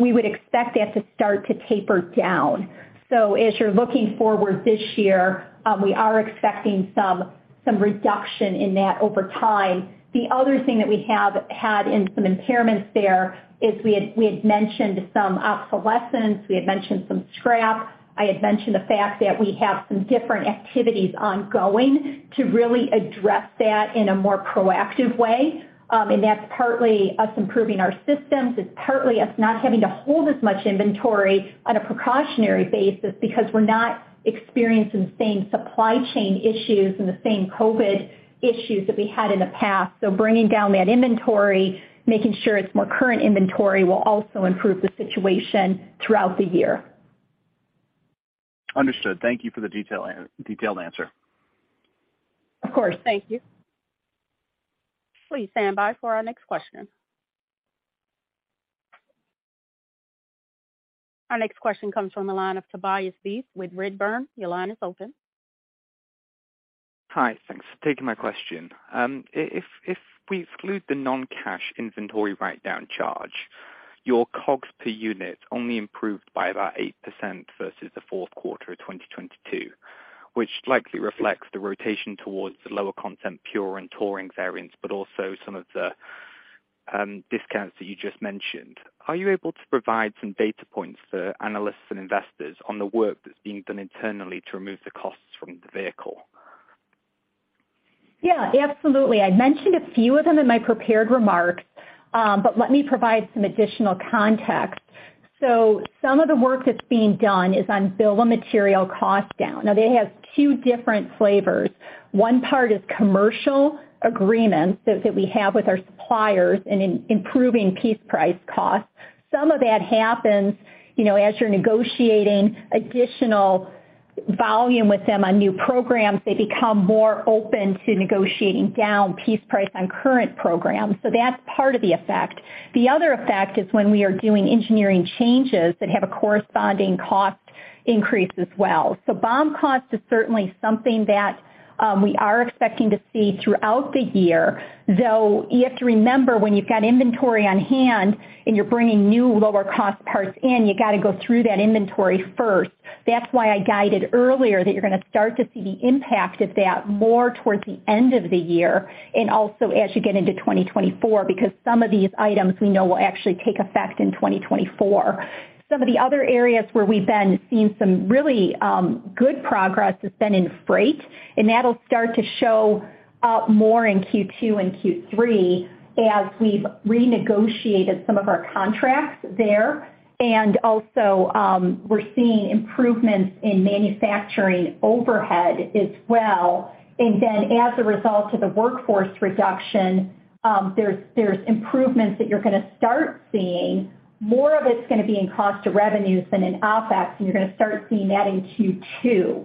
we would expect that to start to taper down. As you're looking forward this year, we are expecting some reduction in that over time. The other thing that we have had in some impairments there is we had mentioned some obsolescence, we had mentioned some scrap. I had mentioned the fact that we have some different activities ongoing to really address that in a more proactive way. That's partly us improving our systems. It's partly us not having to hold as much inventory on a precautionary basis because we're not experiencing the same supply chain issues and the same COVID issues that we had in the past. Bringing down that inventory, making sure it's more current inventory, will also improve the situation throughout the year. Understood. Thank you for the detailed answer. Of course. Thank you. Please stand by for our next question. Our next question comes from the line of Tobias Beith with Redburn. Your line is open. Hi. Thanks for taking my question. If we exclude the non-cash inventory write-down charge, your COGS per unit only improved by about 8% versus the fourth quarter of 2022, which likely reflects the rotation towards the lower content Pure and Touring variants, but also some of the discounts that you just mentioned. Are you able to provide some data points for analysts and investors on the work that's being done internally to remove the costs from the vehicle? Yeah, absolutely. I mentioned a few of them in my prepared remarks, but let me provide some additional context. Some of the work that's being done is on bill of material cost down. Now they have two different flavors. One part is commercial agreements that we have with our suppliers in improving piece price costs. Some of that happens, you know, as you're negotiating additional volume with them on new programs, they become more open to negotiating down piece price on current programs. That's part of the effect. The other effect is when we are doing engineering changes that have a corresponding cost increase as well. BOM cost is certainly something that we are expecting to see throughout the year, though you have to remember when you've got inventory on hand and you're bringing new lower cost parts in, you gotta go through that inventory first. That's why I guided earlier that you're gonna start to see the impact of that more towards the end of the year and also as you get into 2024, because some of these items we know will actually take effect in 2024. Some of the other areas where we've been seeing some really good progress has been in freight, that'll start to show up more in Q2 and Q3 as we've renegotiated some of our contracts there. Also, we're seeing improvements in manufacturing overhead as well. As a result of the workforce reduction, there's improvements that you're gonna start seeing. More of it's gonna be in cost to revenues than in OpEx, and you're gonna start seeing that in Q2.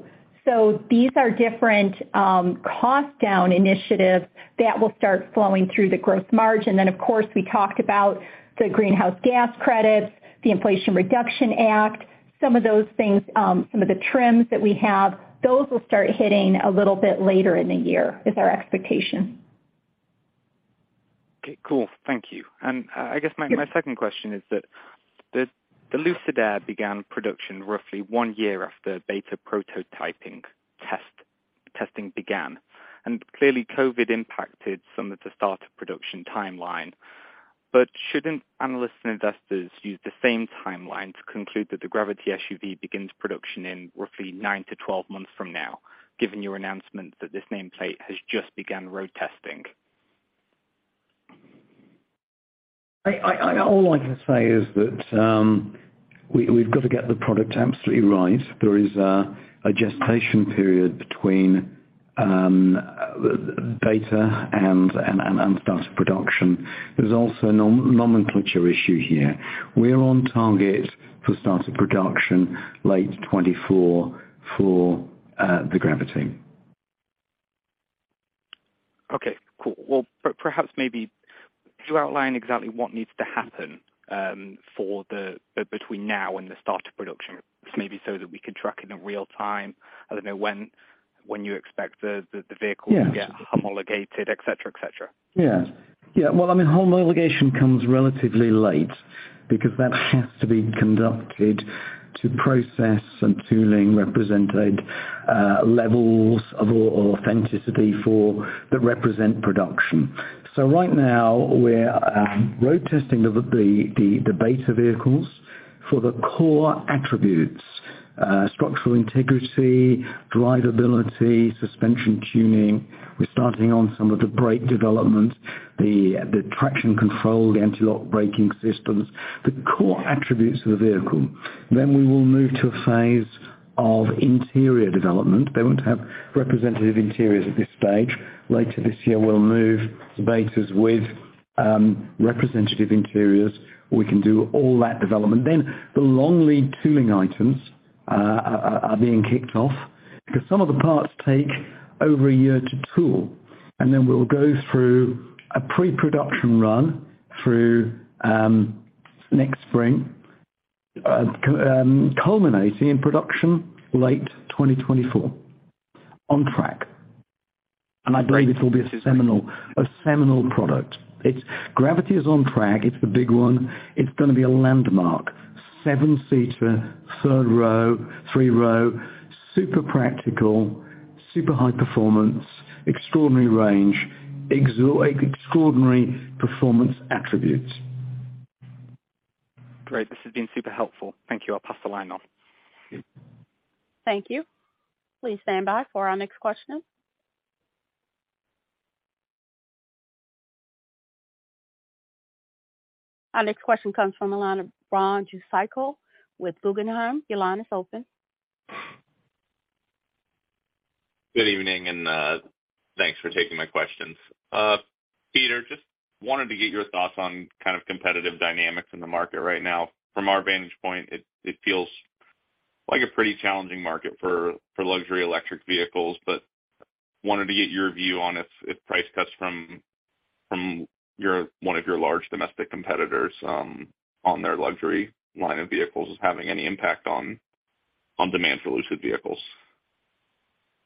These are different, cost down initiatives that will start flowing through the gross margin. Of course, we talked about the greenhouse gas credits, the Inflation Reduction Act, some of those things, some of the trims that we have, those will start hitting a little bit later in the year, is our expectation. Okay, cool. Thank you. I guess my second question is that the Lucid Air began production roughly one year after beta prototyping test-testing began, and clearly COVID impacted some of the start of production timeline. Shouldn't analysts and investors use the same timeline to conclude that the Gravity SUV begins production in roughly nine to 12 months from now, given your announcement that this nameplate has just begun road testing? I All I can say is that we've got to get the product absolutely right. There is a gestation period between beta and start of production. There's also a nomenclature issue here. We're on target for start of production late 2024 for the Gravity. Okay, cool. Well, perhaps maybe could you outline exactly what needs to happen, between now and the start of production, maybe so that we can track it in real time? I don't know when you expect the vehicle. Yeah. to get homologated, et cetera, et cetera. Well, I mean, homologation comes relatively late because that has to be conducted to process some tooling, representative levels of authenticity that represent production. Right now we're road testing the beta vehicles for the core attributes, structural integrity, drivability, suspension tuning. We're starting on some of the brake development, the traction control, the anti-lock braking systems, the core attributes of the vehicle. We will move to a phase of interior development. They want to have representative interiors at this stage. Later this year, we'll move to betas with representative interiors. We can do all that development. The long lead tooling items are being kicked off because some of the parts take over a year to tool. We'll go through a pre-production run through next spring, culminating in production late 2024. On track. I believe it will be a seminal product. Gravity is on track. It's the big one. It's gonna be a landmark. seven-seater, third row, three-row, super practical, super high performance, extraordinary range, extraordinary performance attributes. Great. This has been super helpful. Thank you. I'll pass the line on. Thank you. Please stand by for our next question. Our next question comes from the line of Ron Jewsikow with Guggenheim. Your line is open. Good evening, thanks for taking my questions. Peter, just wanted to get your thoughts on kind of competitive dynamics in the market right now. From our vantage point, it feels like a pretty challenging market for luxury electric vehicles, but wanted to get your view on if price cuts from one of your large domestic competitors on their luxury line of vehicles is having any impact on demand for Lucid vehicles.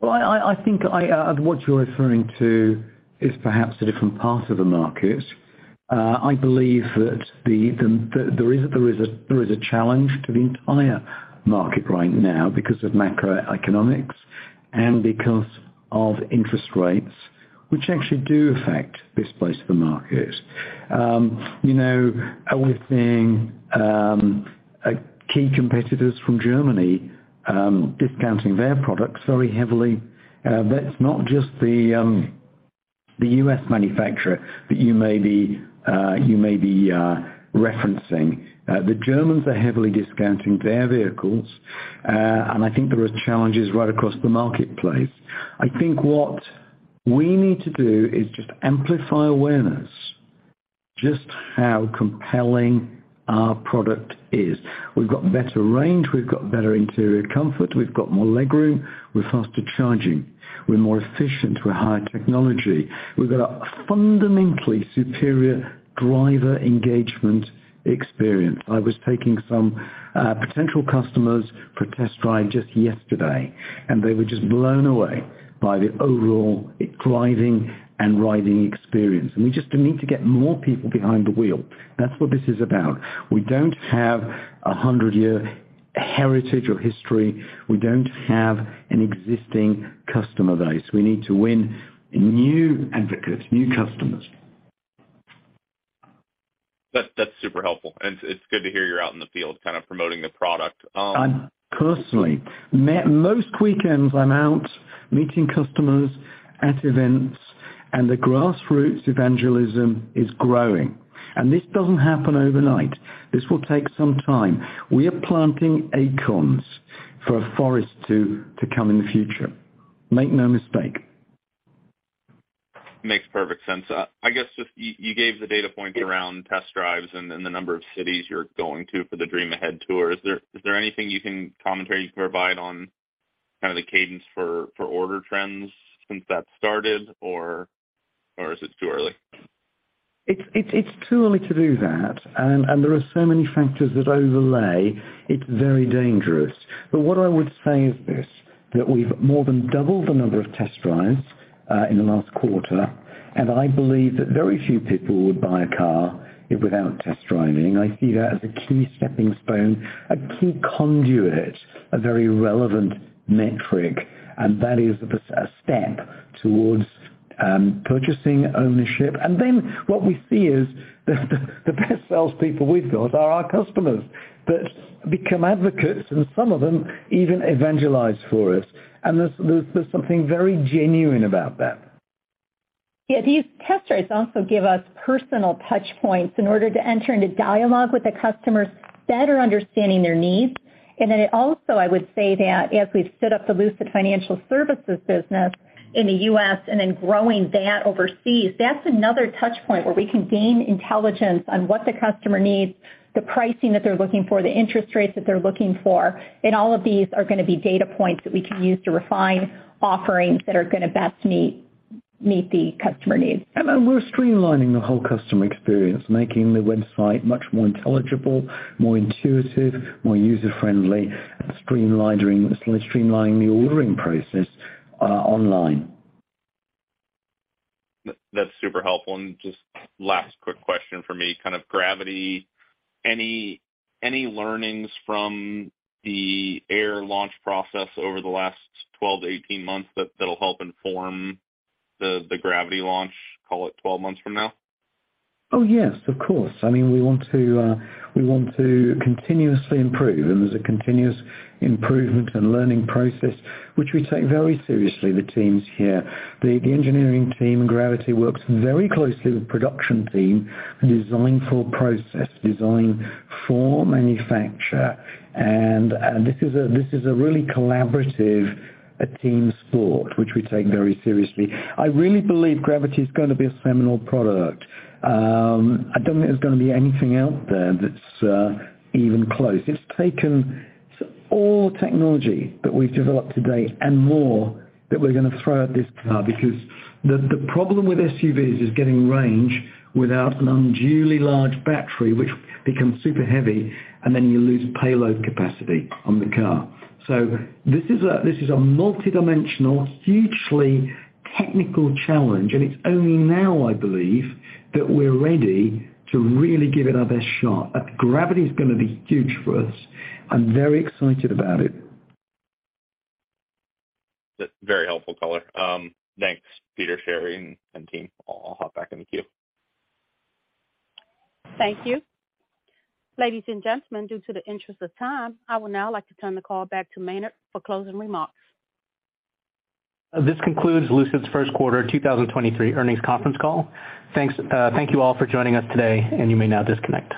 I think what you're referring to is perhaps a different part of the market. I believe that the reason there is a challenge to the entire market right now because of macroeconomics and because of interest rates, which actually do affect this place of the market. you know, we're seeing key competitors from Germany discounting their products very heavily. That's not just the U.S. manufacturer that you may be referencing. The Germans are heavily discounting their vehicles. I think there are challenges right across the marketplace. I think what we need to do is just amplify awareness, just how compelling our product is. We've got better range, we've got better interior comfort, we've got more leg room, we're faster charging, we're more efficient, we're higher technology. We've got a fundamentally superior driver engagement experience. I was taking some potential customers for a test drive just yesterday, and they were just blown away by the overall driving and riding experience. We just need to get more people behind the wheel. That's what this is about. We don't have a 100-year heritage or history. We don't have an existing customer base. We need to win new advocates, new customers. That's super helpful. It's good to hear you're out in the field kind of promoting the product. I personally. Most weekends I'm out meeting customers at events, and the grassroots evangelism is growing. This doesn't happen overnight. This will take some time. We are planting acorns for a forest to come in the future. Make no mistake. Makes perfect sense. I guess just you gave the data points around test drives and the number of cities you're going to for the Dream Ahead Tour. Is there anything you can commentary, you can provide on kind of the cadence for order trends since that started? Is it too early? It's too early to do that. There are so many factors that overlay, it's very dangerous. What I would say is this, that we've more than doubled the number of test drives in the last quarter. I believe that very few people would buy a car without test driving. I see that as a key stepping stone, a key conduit, a very relevant metric, and that is a step towards purchasing ownership. What we see is the best salespeople we've got are our customers that become advocates, and some of them even evangelize for us. There's something very genuine about that. Yeah. These test drives also give us personal touch points in order to enter into dialogue with the customers, better understanding their needs. It also, I would say that as we've set up the Lucid Financial Services business in the U.S. and then growing that overseas, that's another touch point where we can gain intelligence on what the customer needs, the pricing that they're looking for, the interest rates that they're looking for, and all of these are gonna be data points that we can use to refine offerings that are gonna best meet the customer needs. We're streamlining the whole customer experience, making the website much more intelligible, more intuitive, more user-friendly, and streamlining the ordering process, online. That's super helpful. Just last quick question for me, kind of Gravity. Any learnings from the Air launch process over the last 12 to 18 months that'll help inform the Gravity launch, call it 12 months from now? Oh, yes, of course. I mean, we want to, we want to continuously improve. There's a continuous improvement and learning process, which we take very seriously, the teams here. The engineering team in Gravity works very closely with production team, design for process, design for manufacture. This is a really collaborative, a team sport, which we take very seriously. I really believe Gravity is gonna be a seminal product. I don't think there's gonna be anything out there that's even close. It's taken all technology that we've developed to date and more that we're gonna throw at this car because the problem with SUVs is getting range without an unduly large battery, which becomes super heavy, and then you lose payload capacity on the car. This is a multidimensional, hugely technical challenge, and it's only now, I believe, that we're ready to really give it our best shot. Gravity is gonna be huge for us. I'm very excited about it. That's very helpful color. Thanks, Peter, Sherry, and team. I'll hop back in the queue. Thank you. Ladies and gentlemen, due to the interest of time, I would now like to turn the call back to Maynard for closing remarks. This concludes Lucid's first quarter 2023 earnings conference call. Thanks, thank you all for joining us today, and you may now disconnect.